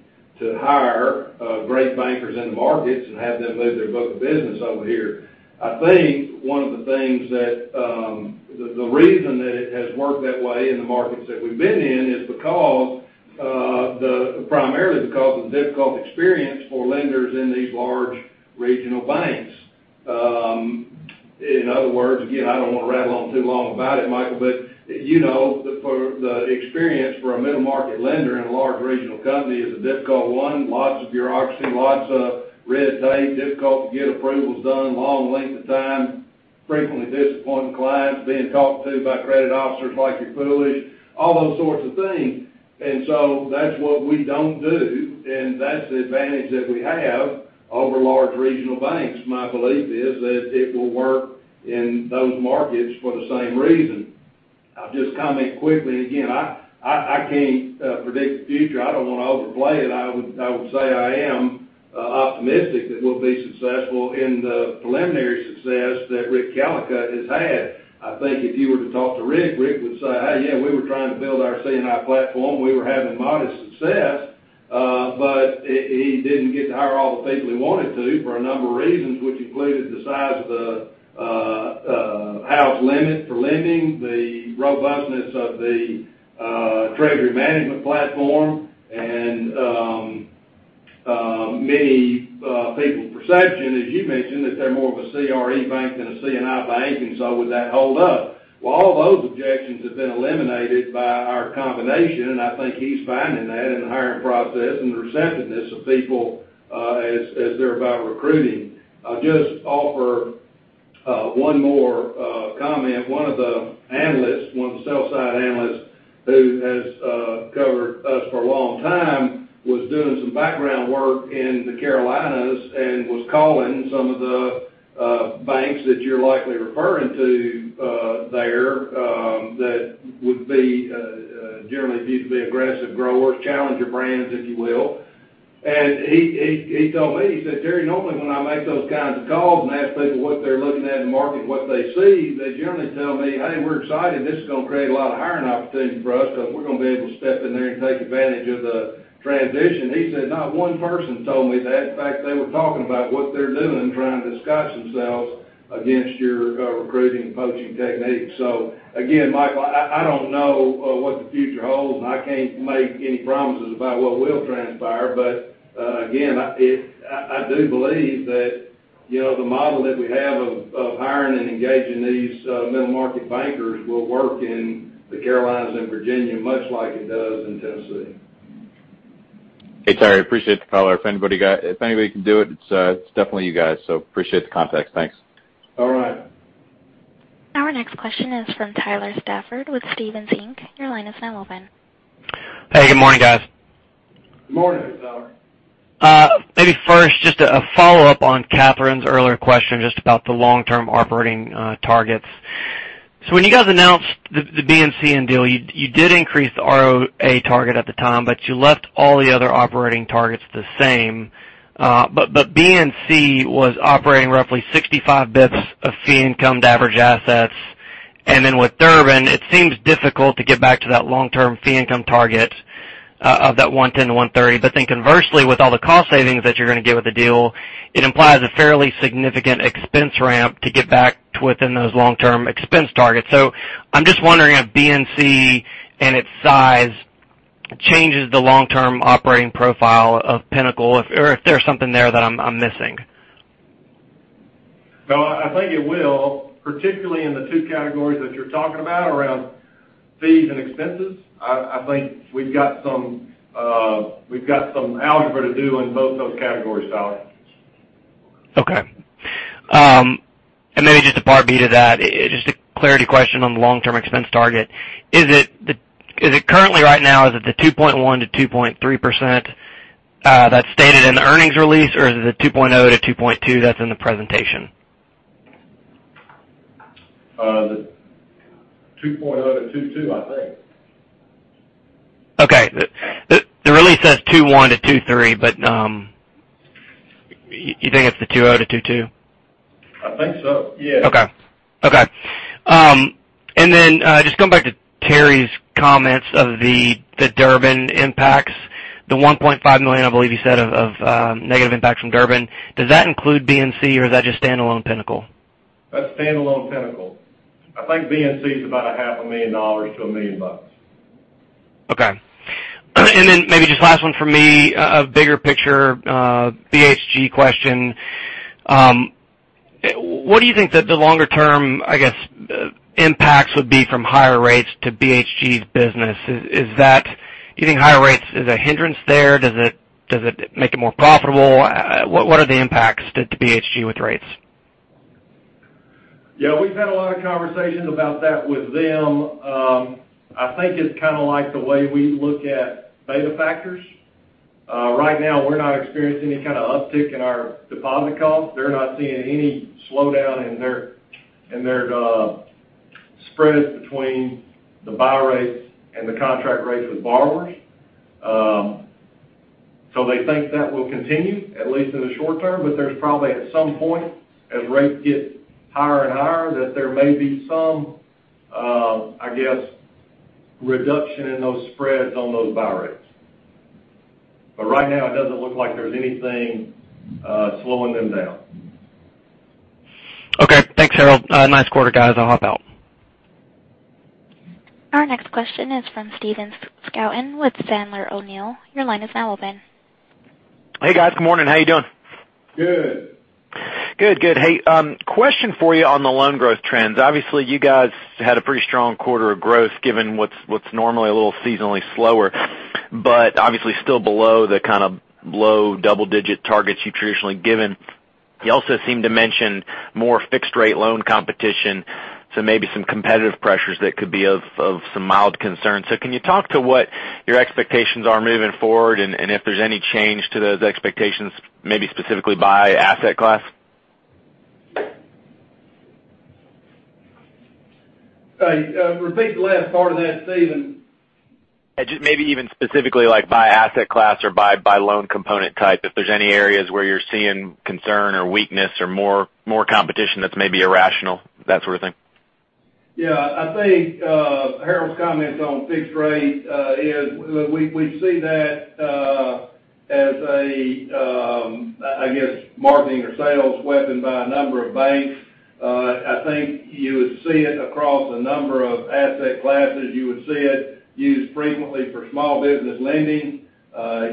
hire great bankers in the markets and have them move their book of business over here. I think one of the things, the reason that it has worked that way in the markets that we've been in is primarily because of the difficult experience for lenders in these large regional banks. In other words, again, I don't want to rattle on too long about it, Michael Rose, but the experience for a middle-market lender in a large regional company is a difficult one. Lots of bureaucracy, lots of red tape, difficult to get approvals done, long length of time, frequently disappointing clients, being talked to by credit officers like you're foolish, all those sorts of things. That's what we don't do, and that's the advantage that we have over large regional banks. My belief is that it will work in those markets for the same reason. I'll just comment quickly again, I can't predict the future. I don't want to overplay it. I would say I am optimistic that we'll be successful in the preliminary success that Rick Callicutt has had. I think if you were to talk to Rick would say, "Hey, yeah, we were trying to build our C&I platform. We were having modest success." He didn't get to hire all the people he wanted to for a number of reasons, which included the size of the house limit for lending, the robustness of the treasury management platform, and many people's perception, as you mentioned, that they're more of a CRE bank than a C&I bank, and so would that hold up? All those objections have been eliminated by our combination, and I think he's finding that in the hiring process and the receptiveness of people as they're about recruiting. I'll just offer one more comment. One of the analysts, one of the sell-side analysts who has covered us for a long time, was doing some background work in the Carolinas and was calling some of the banks that you're likely referring to there that would be generally viewed to be aggressive growers, challenger brands, if you will. He told me, he said, "Terry, normally when I make those kinds of calls and ask people what they're looking at in the market and what they see, they generally tell me, 'Hey, we're excited. This is going to create a lot of hiring opportunities for us because we're going to be able to step in there and take advantage of the transition.'" He said, "Not one person told me that. In fact, they were talking about what they're doing, trying to discuss themselves against your recruiting and poaching techniques." Again, Michael Rose, I don't know what the future holds, and I can't make any promises about what will transpire. Again, I do believe that the model that we have of hiring and engaging these middle-market bankers will work in the Carolinas and Virginia, much like it does in Tennessee. Hey, Terry, appreciate the call. If anybody can do it's definitely you guys. Appreciate the context. Thanks. All right. Our next question is from Tyler Stafford with Stephens Inc. Your line is now open. Hey, good morning, guys. Good morning, Tyler. Maybe first, just a follow-up on Catherine's earlier question, just about the long-term operating targets. When you guys announced the BNC deal, you did increase the ROA target at the time, but you left all the other operating targets the same. BNC was operating roughly 65 basis points of fee income to average assets. With Durbin, it seems difficult to get back to that long-term fee income target of that 110-130 basis points. Conversely, with all the cost savings that you're going to get with the deal, it implies a fairly significant expense ramp to get back within those long-term expense targets. I'm just wondering if BNC and its size changes the long-term operating profile of Pinnacle or if there's something there that I'm missing. No, I think it will, particularly in the two categories that you're talking about around fees and expenses. I think we've got some algebra to do in both those categories, Tyler. Okay. Maybe just a part B to that, just a clarity question on the long-term expense target. Is it currently right now, is it the 2.1%-2.3% that's stated in the earnings release, or is it the 2.0%-2.2% that's in the presentation? The 2.0-2.2, I think. Okay. The release says 2.1-2.3, but you think it's the 2.0-2.2? I think so, yeah. Okay. Then, just going back to Terry's comments of the Durbin impacts, the $1.5 million, I believe you said, of negative impact from Durbin. Does that include BNC or is that just standalone Pinnacle? That's standalone Pinnacle. I think BNC is about a half a million dollars to $1 million. Okay. Then maybe just last one from me, a bigger picture BHG question. What do you think that the longer term, I guess, impacts would be from higher rates to BHG's business? Do you think higher rates is a hindrance there? Does it make it more profitable? What are the impacts to BHG with rates? Yeah, we've had a lot of conversations about that with them. I think it's kind of like the way we look at beta factors. Right now, we're not experiencing any kind of uptick in our deposit costs. They're not seeing any slowdown in their spreads between the buy rates and the contract rates with borrowers. They think that will continue, at least in the short term, but there's probably, at some point, as rates get higher and higher, that there may be some, I guess, reduction in those spreads on those buy rates. Right now, it doesn't look like there's anything slowing them down. Okay. Thanks, Harold. Nice quarter, guys. I'll hop out. Our next question is from Stephen Scouten with Sandler O'Neill. Your line is now open. Hey, guys. Good morning. How you doing? Good. Good. Hey, question for you on the loan growth trends. Obviously, you guys had a pretty strong quarter of growth given what's normally a little seasonally slower, but obviously still below the kind of low double digit targets you've traditionally given. You also seem to mention more fixed rate loan competition, maybe some competitive pressures that could be of some mild concern. Can you talk to what your expectations are moving forward, and if there's any change to those expectations, maybe specifically by asset class? Repeat the last part of that, Stephen. Just maybe even specifically by asset class or by loan component type, if there's any areas where you're seeing concern or weakness or more competition that's maybe irrational, that sort of thing. Yeah. I think Harold's comments on fixed rates is we see that as a, I guess, marketing or sales weapon by a number of banks. I think you would see it across a number of asset classes. You would see it used frequently for small business lending.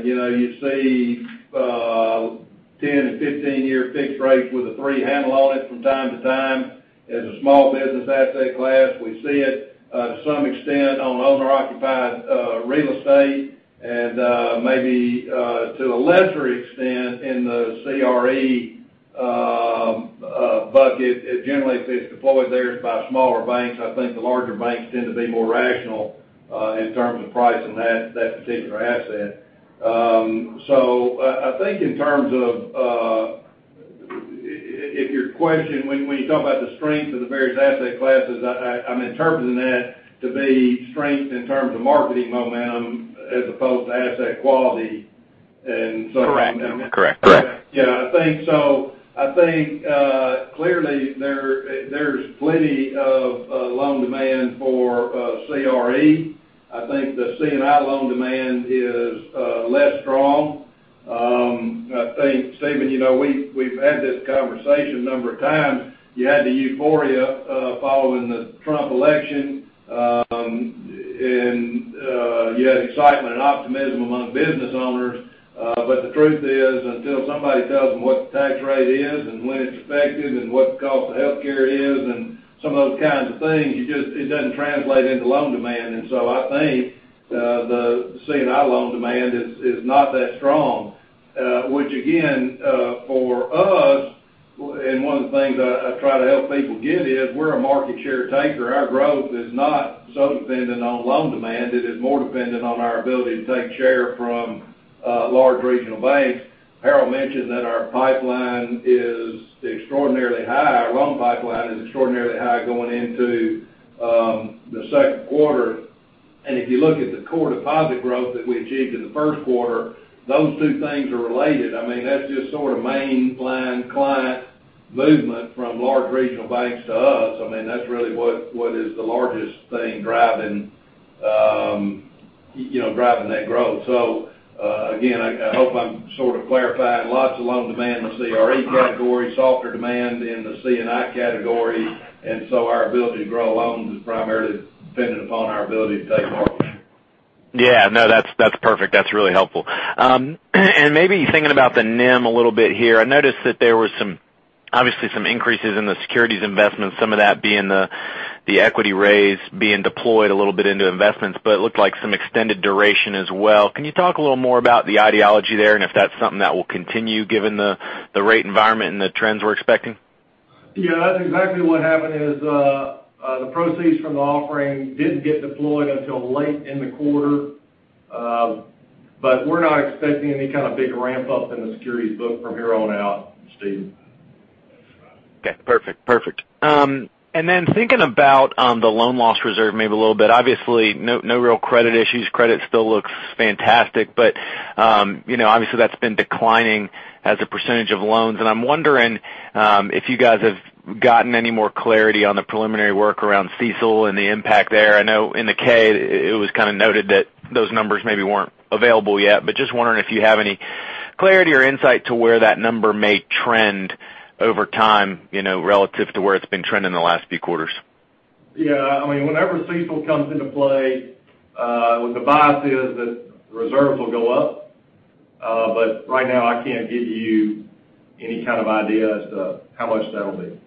You'd see 10 to 15 year fixed rates with a three handle on it from time to time as a small business asset class. We see it to some extent on owner occupied real estate and maybe to a lesser extent in the CRE bucket. Generally, if it's deployed there, it's by smaller banks. I think the larger banks tend to be more rational in terms of pricing that particular asset. I think in terms of if your question, when you talk about the strength of the various asset classes, I'm interpreting that to be strength in terms of marketing momentum as opposed to asset quality and so on. Correct. Yeah, I think so. I think, clearly, there's plenty of loan demand for CRE. I think the C&I loan demand is less strong. I think, Stephen, we've had this conversation a number of times. You had the euphoria following the Trump election, and you had excitement and optimism among business owners. The truth is, until somebody tells them what the tax rate is and when it's effective and what the cost of healthcare is and some of those kinds of things, it doesn't translate into loan demand. I think the C&I loan demand is not that strong, which again, for us, and one of the things I try to help people get is we're a market share taker. Our growth is not so dependent on loan demand. It is more dependent on our ability to take share from large regional banks. Harold mentioned that our pipeline is extraordinarily high. Our loan pipeline is extraordinarily high going into the second quarter, and if you look at the core deposit growth that we achieved in the first quarter, those two things are related. That's just sort of mainline client movement from large regional banks to us. That's really what is the largest thing driving that growth. Again, I hope I'm sort of clarifying. Lots of loan demand in the CRE category, softer demand in the C&I category, our ability to grow loans is primarily dependent upon our ability to take market share. Yeah. No, that's perfect. That's really helpful. Maybe thinking about the NIM a little bit here. I noticed that there were obviously some increases in the securities investments, some of that being the equity raise being deployed a little bit into investments, but it looked like some extended duration as well. Can you talk a little more about the ideology there and if that's something that will continue given the rate environment and the trends we're expecting? Yeah, that's exactly what happened is, the proceeds from the offering didn't get deployed until late in the quarter. We're not expecting any kind of big ramp up in the securities book from here on out, Stephen. Okay, perfect. Thinking about the loan loss reserve maybe a little bit, obviously, no real credit issues. Credit still looks fantastic. Obviously, that's been declining as a percentage of loans, and I'm wondering if you guys have gotten any more clarity on the preliminary work around CECL and the impact there. I know in the K, it was kind of noted that those numbers maybe weren't available yet, but just wondering if you have any clarity or insight to where that number may trend over time, relative to where it's been trending the last few quarters. Yeah, whenever CECL comes into play, the bias is that reserves will go up. Right now, I can't give you any kind of idea as to how much that'll be.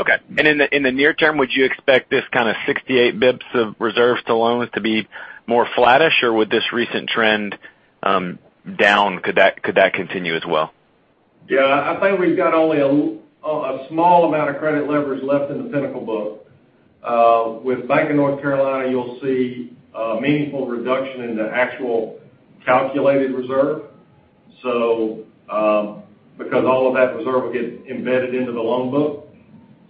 Okay. In the near term, would you expect this kind of 68 basis points of reserves to loans to be more flattish, or would this recent trend down, could that continue as well? Yeah, I think we've got only a small amount of credit levers left in the Pinnacle book. With Bank of North Carolina, you'll see a meaningful reduction in the actual calculated reserve. All of that reserve will get embedded into the loan book,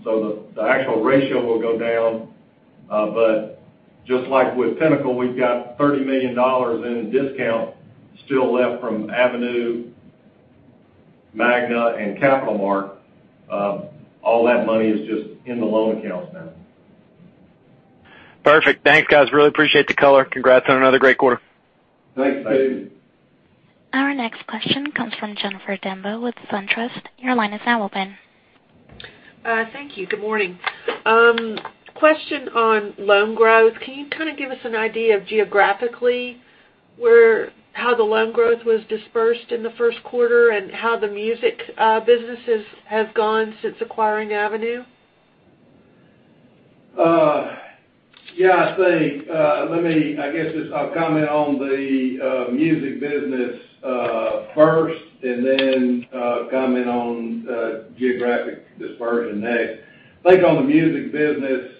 the actual ratio will go down. Just like with Pinnacle, we've got $30 million in discount still left from Avenue, Magna, and CapitalMark. All that money is just in the loan accounts now. Perfect. Thanks, guys. Really appreciate the color. Congrats on another great quarter. Thanks, Stephen. Our next question comes from Jennifer Demba with SunTrust. Your line is now open. Thank you. Good morning. Question on loan growth. Can you kind of give us an idea of geographically how the loan growth was dispersed in the first quarter and how the music businesses have gone since acquiring Avenue? Yeah. I'll comment on the music business first and then comment on geographic dispersion next. I think on the music business,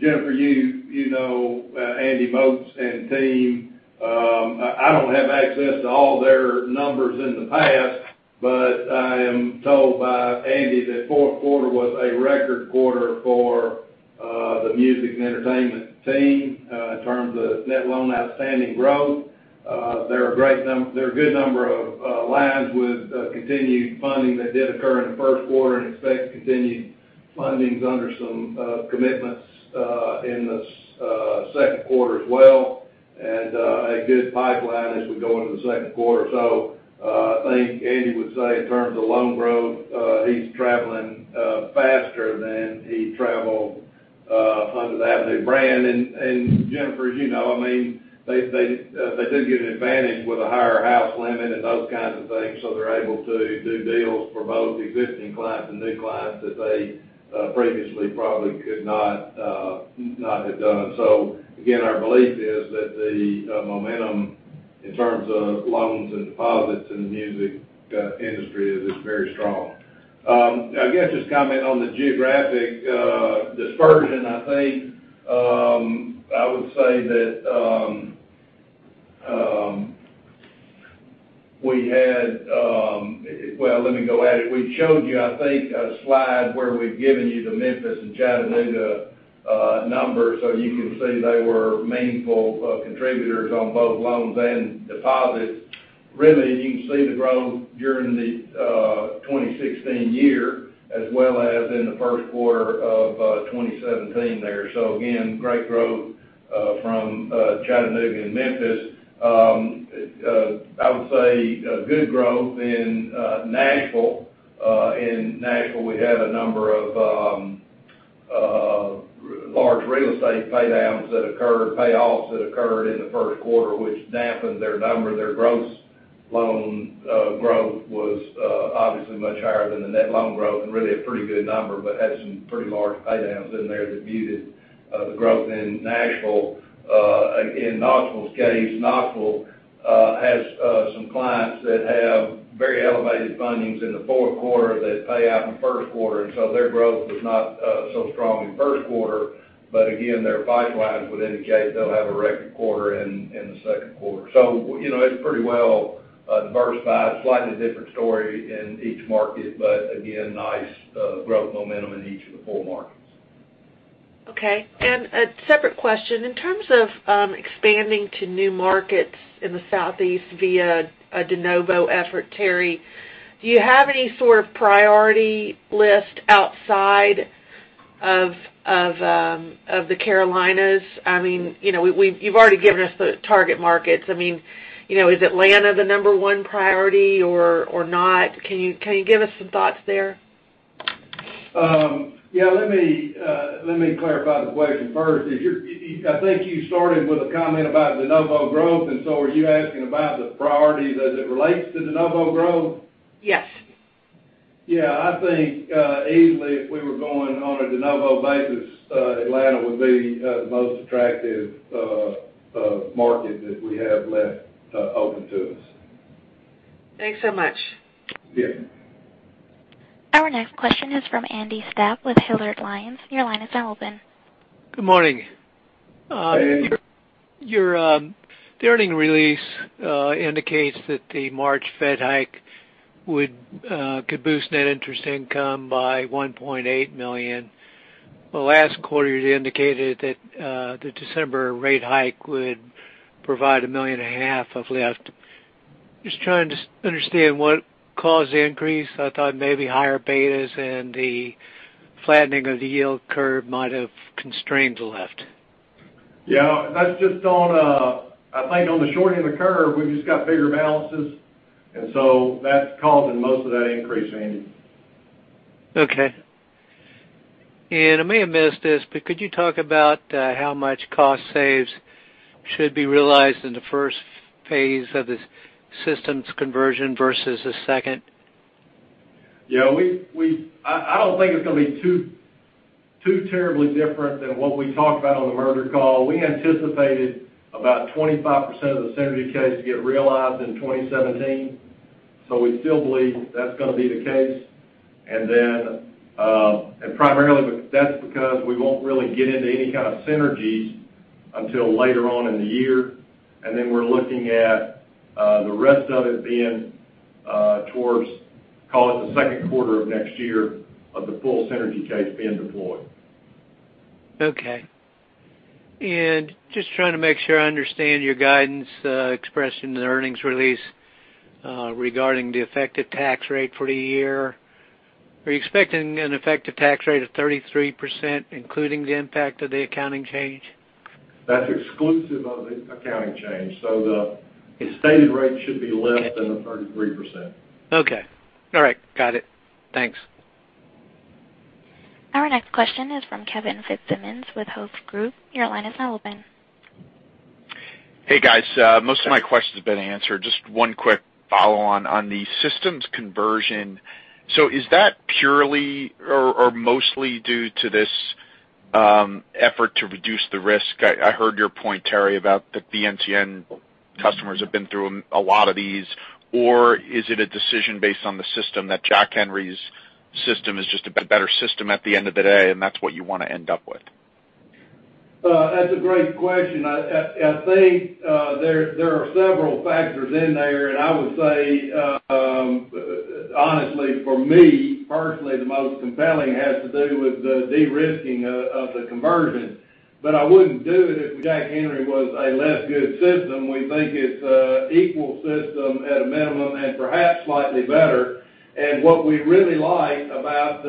Jennifer, you know Andy Moats and team. I don't have access to all their numbers in the past, but I am told by Andy that fourth quarter was a record quarter for the music and entertainment team in terms of net loan outstanding growth. There are a good number of lines with continued funding that did occur in the first quarter and expect continued fundings under some commitments in the second quarter as well, and a good pipeline as we go into the second quarter. I think Andy would say in terms of loan growth, he's traveling faster than he traveled under the Avenue brand. Jennifer, as you know, they did get an advantage with a higher house limit and those kinds of things, they're able to do deals for both existing clients and new clients that they previously probably could not have done. Again, our belief is that the momentum in terms of loans and deposits in the music industry is very strong. I guess, just comment on the geographic dispersion, I think, I would say that. Well, let me go at it. We showed you, I think, a slide where we've given you the Memphis and Chattanooga numbers, you can see they were meaningful contributors on both loans and deposits. Really, you can see the growth during the 2016 year as well as in the first quarter of 2017 there. Again, great growth from Chattanooga and Memphis. I would say good growth in Nashville. In Nashville, we have a number of large real estate pay downs that occurred, payoffs that occurred in the first quarter, which dampened their number. Their gross loan growth was obviously much higher than the net loan growth, and really a pretty good number, had some pretty large pay downs in there that muted the growth in Nashville. In Knoxville's case, Knoxville has some clients that have very elevated fundings in the fourth quarter that pay out in the first quarter, their growth was not so strong in the first quarter. Again, their pipelines would indicate they'll have a record quarter in the second quarter. It's pretty well diversified. Slightly different story in each market, again, nice growth momentum in each of the four markets. Okay, a separate question. In terms of expanding to new markets in the Southeast via a de novo effort, Terry, do you have any sort of priority list outside of the Carolinas? You've already given us the target markets. Is Atlanta the number one priority or not? Can you give us some thoughts there? Let me clarify the question first. I think you started with a comment about de novo growth, are you asking about the priorities as it relates to de novo growth? Yes. Yeah, I think easily if we were going on a de novo basis, Atlanta would be the most attractive Of market that we have left open to us. Thanks so much. Yes. Our next question is from Andy Stapp with Hilliard Lyons. Your line is now open. Good morning. Hey. The earnings release indicates that the March Fed hike could boost net interest income by $1.8 million. The last quarter, you'd indicated that the December rate hike would provide a million and a half of lift. Just trying to understand what caused the increase. I thought maybe higher betas and the flattening of the yield curve might have constrained the lift. Yeah, that's just on, I think on the short end of the curve, we've just got bigger balances, and so that's causing most of that increase, Andy. Okay. I may have missed this, but could you talk about how much cost saves should be realized in the first phase of this systems conversion versus the second? Yeah. I don't think it's going to be too terribly different than what we talked about on the merger call. We anticipated about 25% of the synergy case to get realized in 2017. We still believe that's going to be the case. Primarily, that's because we won't really get into any kind of synergies until later on in the year. Then we're looking at the rest of it being towards, call it the second quarter of next year, of the full synergy case being deployed. Okay. Just trying to make sure I understand your guidance expressed in the earnings release regarding the effective tax rate for the year. Are you expecting an effective tax rate of 33%, including the impact of the accounting change? That's exclusive of the accounting change. The stated rate should be less than the 33%. Okay. All right. Got it. Thanks. Our next question is from Kevin Fitzsimmons with Hovde Group. Your line is now open. Hey, guys. Yes. Most of my question's been answered. Just one quick follow-on on the systems conversion. Is that purely or mostly due to this effort to reduce the risk? I heard your point, Terry, about the BNCN customers have been through a lot of these. Is it a decision based on the system that Jack Henry's system is just a better system at the end of the day, and that's what you want to end up with? That's a great question. I think there are several factors in there, I would say, honestly, for me, personally, the most compelling has to do with the de-risking of the conversion. I wouldn't do it if Jack Henry was a less good system. We think it's an equal system at a minimum, and perhaps slightly better. What we really like about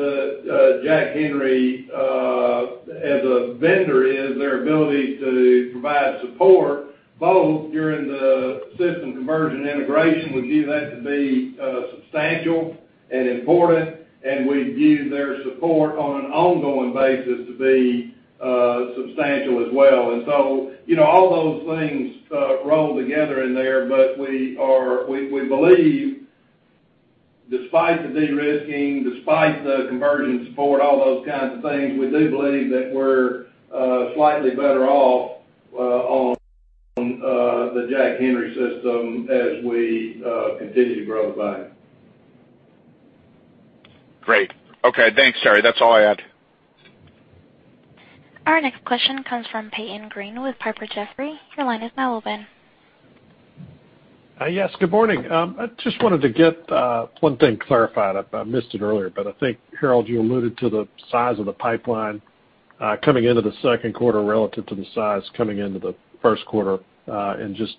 Jack Henry as a vendor is their ability to provide support, both during the system conversion integration. We view that to be substantial and important, and we view their support on an ongoing basis to be substantial as well. All those things roll together in there, but we believe, despite the de-risking, despite the conversion support, all those kinds of things, we do believe that we're slightly better off on the Jack Henry system as we continue to grow the bank. Great. Okay, thanks, Terry. That's all I had. Our next question comes from Peyton Green with Piper Jaffray. Your line is now open. Yes, good morning. I just wanted to get one thing clarified. I missed it earlier, but I think, Harold, you alluded to the size of the pipeline coming into the second quarter relative to the size coming into the first quarter. Just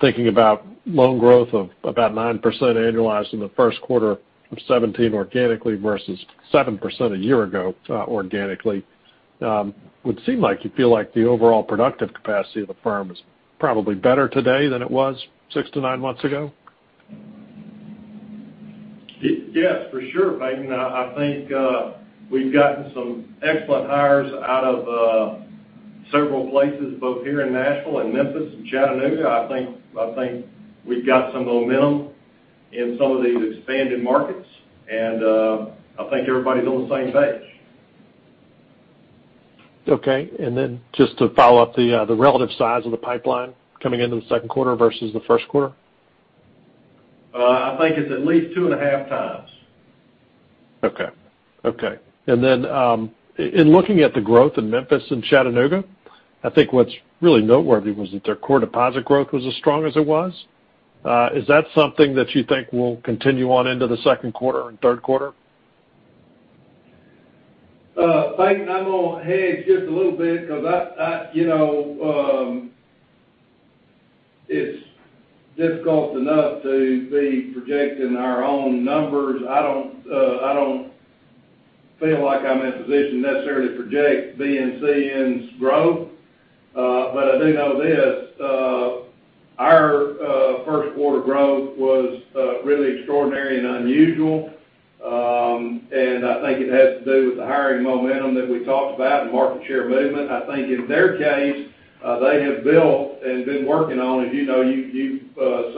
thinking about loan growth of about 9% annualized in the first quarter of 2017 organically versus 7% a year ago organically, would seem like you feel like the overall productive capacity of the firm is probably better today than it was six to nine months ago. Yes, for sure, Peyton. I think we've gotten some excellent hires out of several places, both here in Nashville and Memphis and Chattanooga. I think we've got some momentum in some of these expanded markets. I think everybody's on the same page. Okay. Then just to follow up, the relative size of the pipeline coming into the second quarter versus the first quarter? I think it's at least two and a half times. Okay. Then, in looking at the growth in Memphis and Chattanooga, I think what's really noteworthy was that their core deposit growth was as strong as it was. Is that something that you think will continue on into the second quarter and third quarter? Peyton, I'm going to hedge just a little bit because it's difficult enough to be projecting our own numbers. I don't feel like I'm in a position necessarily to project BNCN's growth. I do know this, our first quarter growth was really extraordinary and unusual. I think it has to do with the hiring momentum that we talked about and market share movement. I think in their case, they have built and been working on, as you know, you've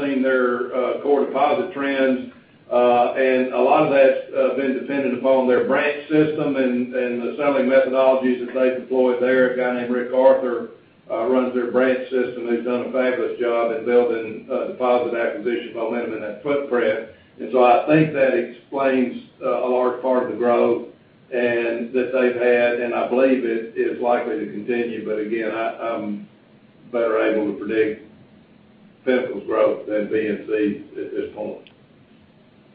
seen their core deposit trends A lot of that's been dependent upon their branch system and the selling methodologies that they've employed there. A guy named Rick Arthur runs their branch system, who's done a fabulous job at building deposit acquisition momentum in that footprint. So I think that explains a large part of the growth that they've had, and I believe it is likely to continue. Again, I'm better able to predict Pinnacle's growth than BNC at this point.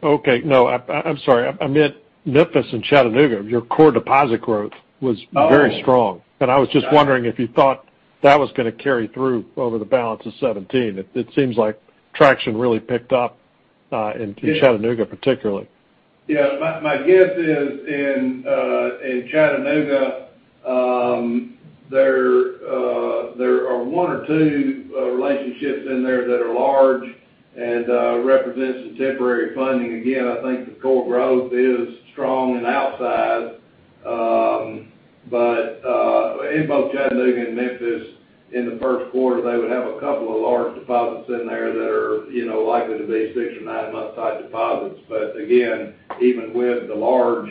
Okay. No, I'm sorry. I meant Memphis and Chattanooga. Your core deposit growth was very strong. Oh. I was just wondering if you thought that was going to carry through over the balance of 2017. It seems like traction really picked up in Chattanooga particularly. Yeah. My guess is in Chattanooga, there are one or two relationships in there that are large and represent some temporary funding. Again, I think the core growth is strong and outside. In both Chattanooga and Memphis in the first quarter, they would have a couple of large deposits in there that are likely to be six or nine-month type deposits. Again, even with the large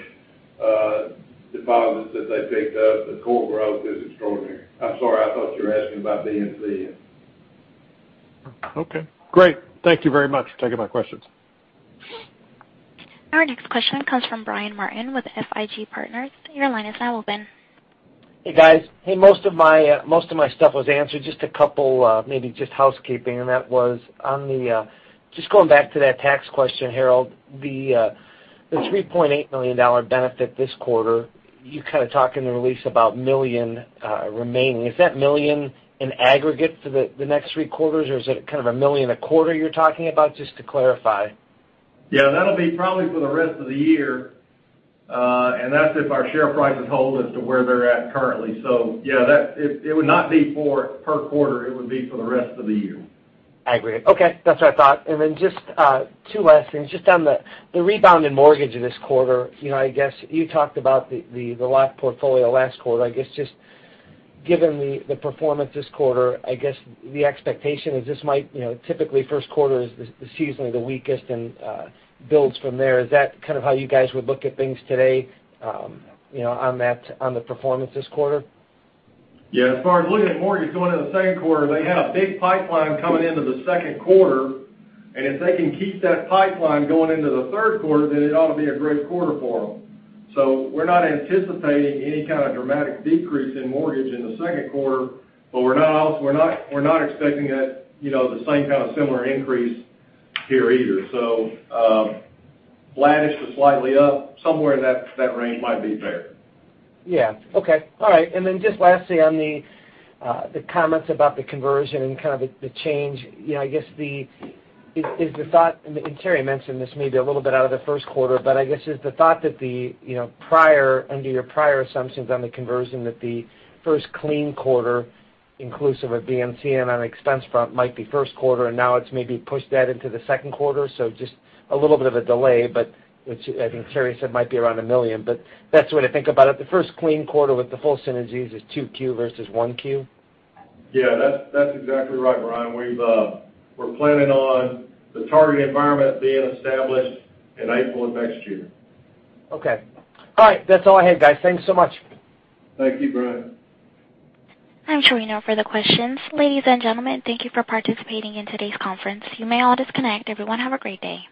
deposits that they picked up, the core growth is extraordinary. I'm sorry, I thought you were asking about BNC. Okay, great. Thank you very much for taking my questions. Our next question comes from Brian Martin with FIG Partners. Your line is now open. Hey, guys. Hey, most of my stuff was answered. Just a couple, maybe just housekeeping, just going back to that tax question, Harold, the $3.8 million benefit this quarter, you kind of talked in the release about $1 million remaining. Is that $1 million in aggregate for the next three quarters, or is it kind of $1 million a quarter you're talking about? Just to clarify. Yeah, that'll be probably for the rest of the year. That's if our share prices hold as to where they're at currently. Yeah, it would not be per quarter. It would be for the rest of the year. Aggregate. Okay, that's what I thought. Just two last things. Just on the rebound in mortgage this quarter, I guess you talked about the last portfolio last quarter. I guess just given the performance this quarter, I guess the expectation is typically first quarter is seasonally the weakest and builds from there. Is that kind of how you guys would look at things today on the performance this quarter? Yeah, as far as looking at mortgage going into the second quarter, they had a big pipeline coming into the second quarter, if they can keep that pipeline going into the third quarter, then it ought to be a great quarter for them. We're not anticipating any kind of dramatic decrease in mortgage in the second quarter, we're not expecting the same kind of similar increase here either. Flattish to slightly up, somewhere in that range might be fair. Yeah. Okay. All right. Then just lastly on the comments about the conversion and kind of the change, I guess is the thought, and Terry mentioned this maybe a little bit out of the first quarter, I guess is the thought that under your prior assumptions on the conversion, that the first clean quarter inclusive of BNCN on an expense front might be first quarter, and now it's maybe pushed that into the second quarter, so just a little bit of a delay, which I think Terry said might be around $1 million, that's the way to think about it. The first clean quarter with the full synergies is two Q versus one Q? Yeah, that's exactly right, Brian. We're planning on the target environment being established in April of next year. Okay. All right. That's all I had, guys. Thank you so much. Thank you, Brian. I'm showing no further questions. Ladies and gentlemen, thank you for participating in today's conference. You may all disconnect. Everyone have a great day.